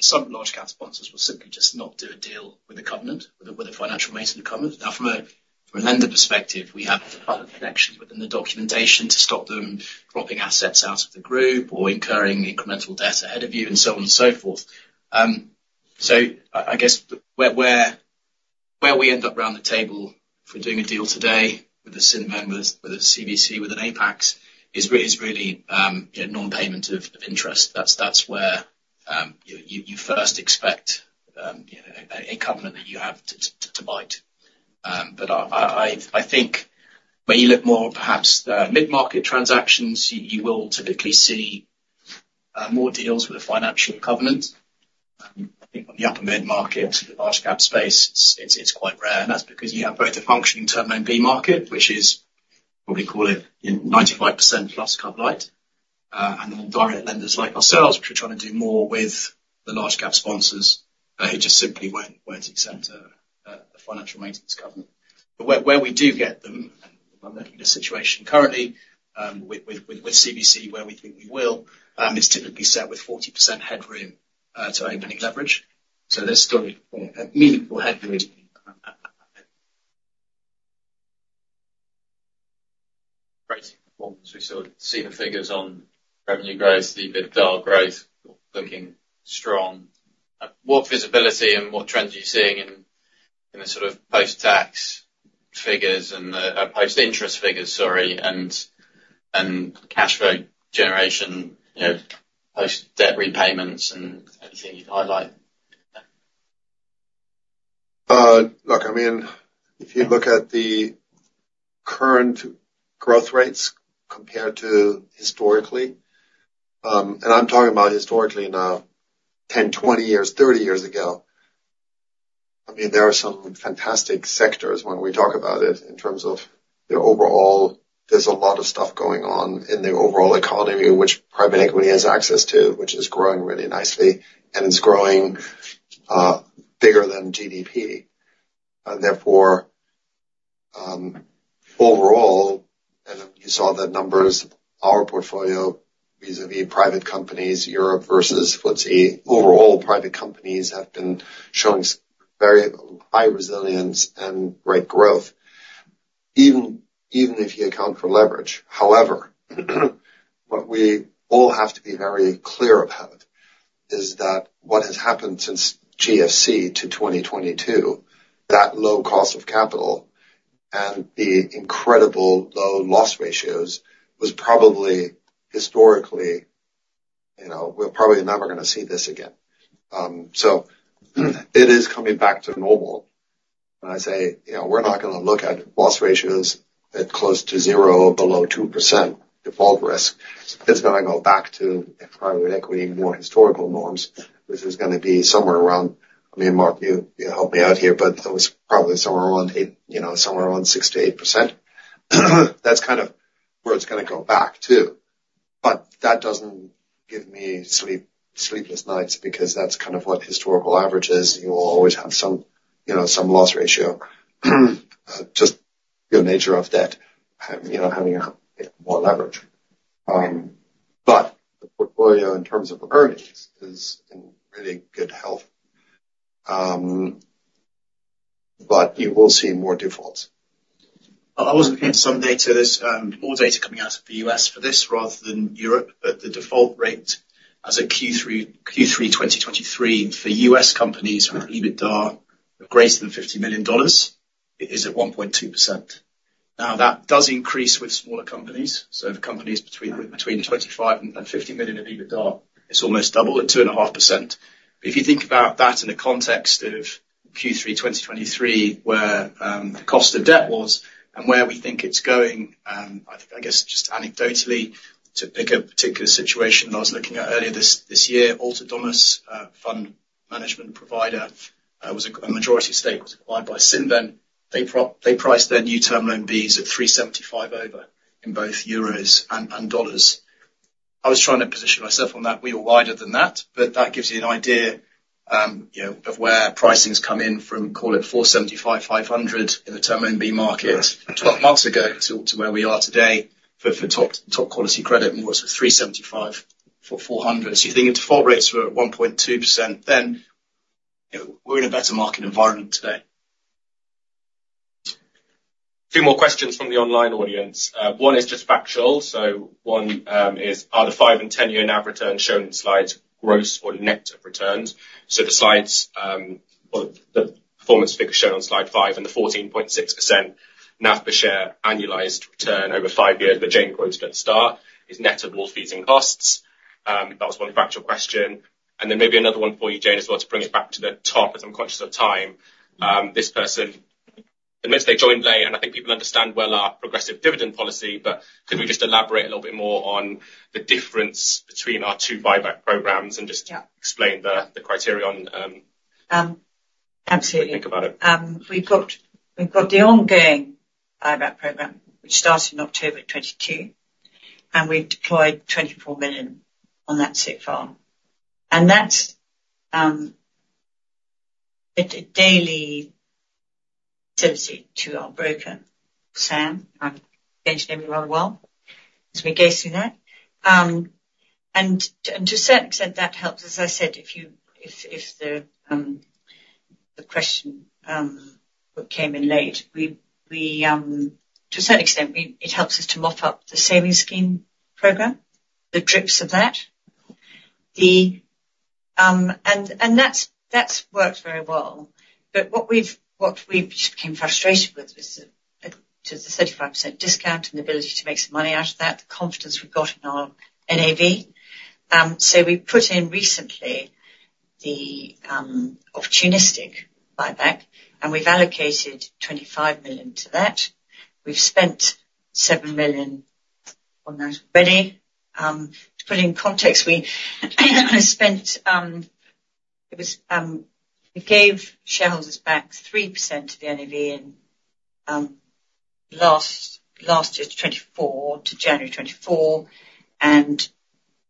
some large cap sponsors will simply just not do a deal with a covenant, with a financial maintenance covenant. Now, from a lender perspective, we have to put a covenant within the documentation to stop them dropping assets out of the group or incurring incremental debt ahead of you, and so on and so forth. So I guess where we end up around the table for doing a deal today with a Cinven, with a CVC, with an Apax, is really, you know, non-payment of interest. That's where you first expect, you know, a covenant that you have to bite. But I think when you look more perhaps the mid-market transactions, you will typically see more deals with a financial covenant. I think on the upper mid-market to the large cap space, it's quite rare, and that's because you have both a functioning Term Loan B market, which is, what we call it, you know, 95%+ cov-lite, and the more direct lenders like ourselves, which are trying to do more with the large cap sponsors, who just simply won't accept a financial maintenance covenant. But where we do get them, and I'm looking at a situation currently with CVC, where we think we will, it's typically set with 40% headroom to opening leverage. So there's still a meaningful headroom. Great performance. We sort of see the figures on revenue growth, the EBITDA growth looking strong. What visibility and what trends are you seeing in, in the sort of post-tax?... figures and post-interest figures, sorry, and cash flow generation, you know, post-debt repayments and anything you'd highlight? Look, I mean, if you look at the current growth rates compared to historically, and I'm talking about historically now, 10, 20 years, 30 years ago, I mean, there are some fantastic sectors when we talk about it in terms of the overall. There's a lot of stuff going on in the overall economy, which private equity has access to, which is growing really nicely, and it's growing bigger than GDP. And therefore, overall, and you saw the numbers, our portfolio, vis-à-vis private companies, Europe versus FTSE, overall, private companies have been showing very high resilience and great growth, even if you account for leverage. However, what we all have to be very clear about is that what has happened since GFC to 2022, that low cost of capital and the incredible low loss ratios was probably historically, you know, we're probably never gonna see this again. So it is coming back to normal. When I say, you know, we're not gonna look at loss ratios at close to zero, below 2% default risk. It's gonna go back to private equity, more historical norms, which is gonna be somewhere around... I mean, Mark, you, you help me out here, but it was probably somewhere around eight, you know, somewhere around 6%-8%. That's kind of where it's gonna go back to, but that doesn't give me sleepless nights, because that's kind of what historical average is. You will always have some, you know, some loss ratio. Just the nature of debt, you know, having a more leverage. But the portfolio, in terms of earnings, is in really good health. But you will see more defaults. I was looking at some data. There's more data coming out of the US for this rather than Europe, but the default rate as of Q3 2023 for US companies with EBITDA of greater than $50 million is at 1.2%. Now, that does increase with smaller companies. So for companies between 25 and 50 million in EBITDA, it's almost double at 2.5%. But if you think about that in the context of Q3 2023, where the cost of debt was and where we think it's going, I guess, just anecdotally, to pick a particular situation I was looking at earlier this year, Alter Domus fund management provider was a majority stake was acquired by Cinven. They priced their new Term Loan B's at 375 over in both euros and dollars. I was trying to position myself on that. We were wider than that, but that gives you an idea, you know, of where pricing's come in from, call it, 475, 500 in the Term Loan B market 12 months ago to where we are today for top quality credit, more so 375, 400. So you're thinking default rates were at 1.2% then, you know, we're in a better market environment today. A few more questions from the online audience. One is just factual. So one is: Are the 5- and 10-year NAV returns shown in the slides, gross or net of returns? So the slides, well, the performance figure shown on slide 5 and the 14.6% NAV per share annualized return over 5 years that Jane quoted at the start is net of all fees and costs. That was one factual question. And then maybe another one for you, Jane, as well, to bring it back to the top, as I'm conscious of time. This person, the minute they joined today, and I think people understand well our progressive dividend policy, but could we just elaborate a little bit more on the difference between our two buyback programs and just- Yeah. explain the criteria on Um, absolutely. If you think about it. We've got the ongoing buyback program, which started in October of 2022, and we've deployed 24 million on that so far. And that's a daily service to our broker, Sam. I've mentioned him rather well, as we go through that. And to a certain extent, that helps, as I said, if the question came in late, to a certain extent, it helps us to mop up the savings scheme program, the DRIPs of that. And that's worked very well. But what we've became frustrated with is the 35% discount and the ability to make some money out of that, the confidence we've got in our NAV. So we put in recently the opportunistic buyback, and we've allocated 25 million to that. We've spent 7 million on those already. To put it in context, we gave shareholders back 3% of the NAV in last year to January 2024, and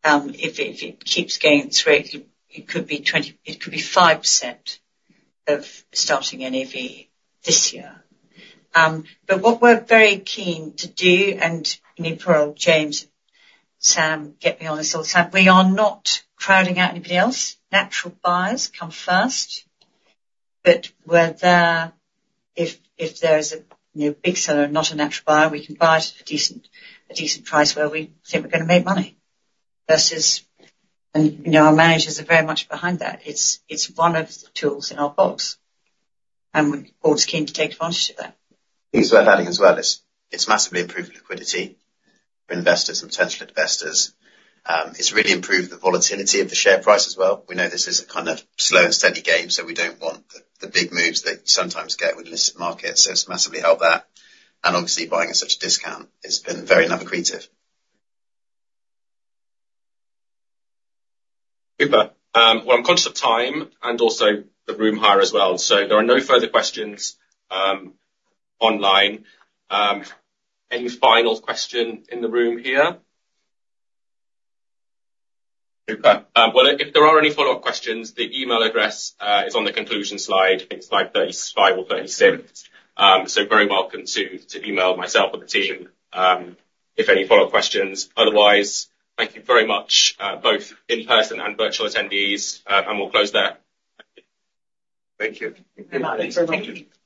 if it keeps going at this rate, it could be 5% of starting NAV this year. But what we're very keen to do, and I mean, plural, James, Sam, get me on this all the time, we are not crowding out anybody else. Natural buyers come first, but we're there if there is a, you know, big seller, not a natural buyer, we can buy it at a decent price where we think we're gonna make money versus... And, you know, our managers are very much behind that. It's one of the tools in our box, and we're always keen to take advantage of that. I think it's worth adding as well, it's massively improved liquidity for investors and potential investors. It's really improved the volatility of the share price as well. We know this is a kind of slow and steady game, so we don't want the big moves that you sometimes get with listed markets. So it's massively helped that. And obviously, buying at such a discount, it's been very lucrative. Super. Well, I'm conscious of time and also the room hire as well. So there are no further questions online. Any final question in the room here? Okay. Well, if there are any follow-up questions, the email address is on the conclusion slide. It's slide 35 or 36. So very welcome to email myself or the team if any follow-up questions. Otherwise, thank you very much both in-person and virtual attendees, and we'll close there. Thank you. Thanks very much.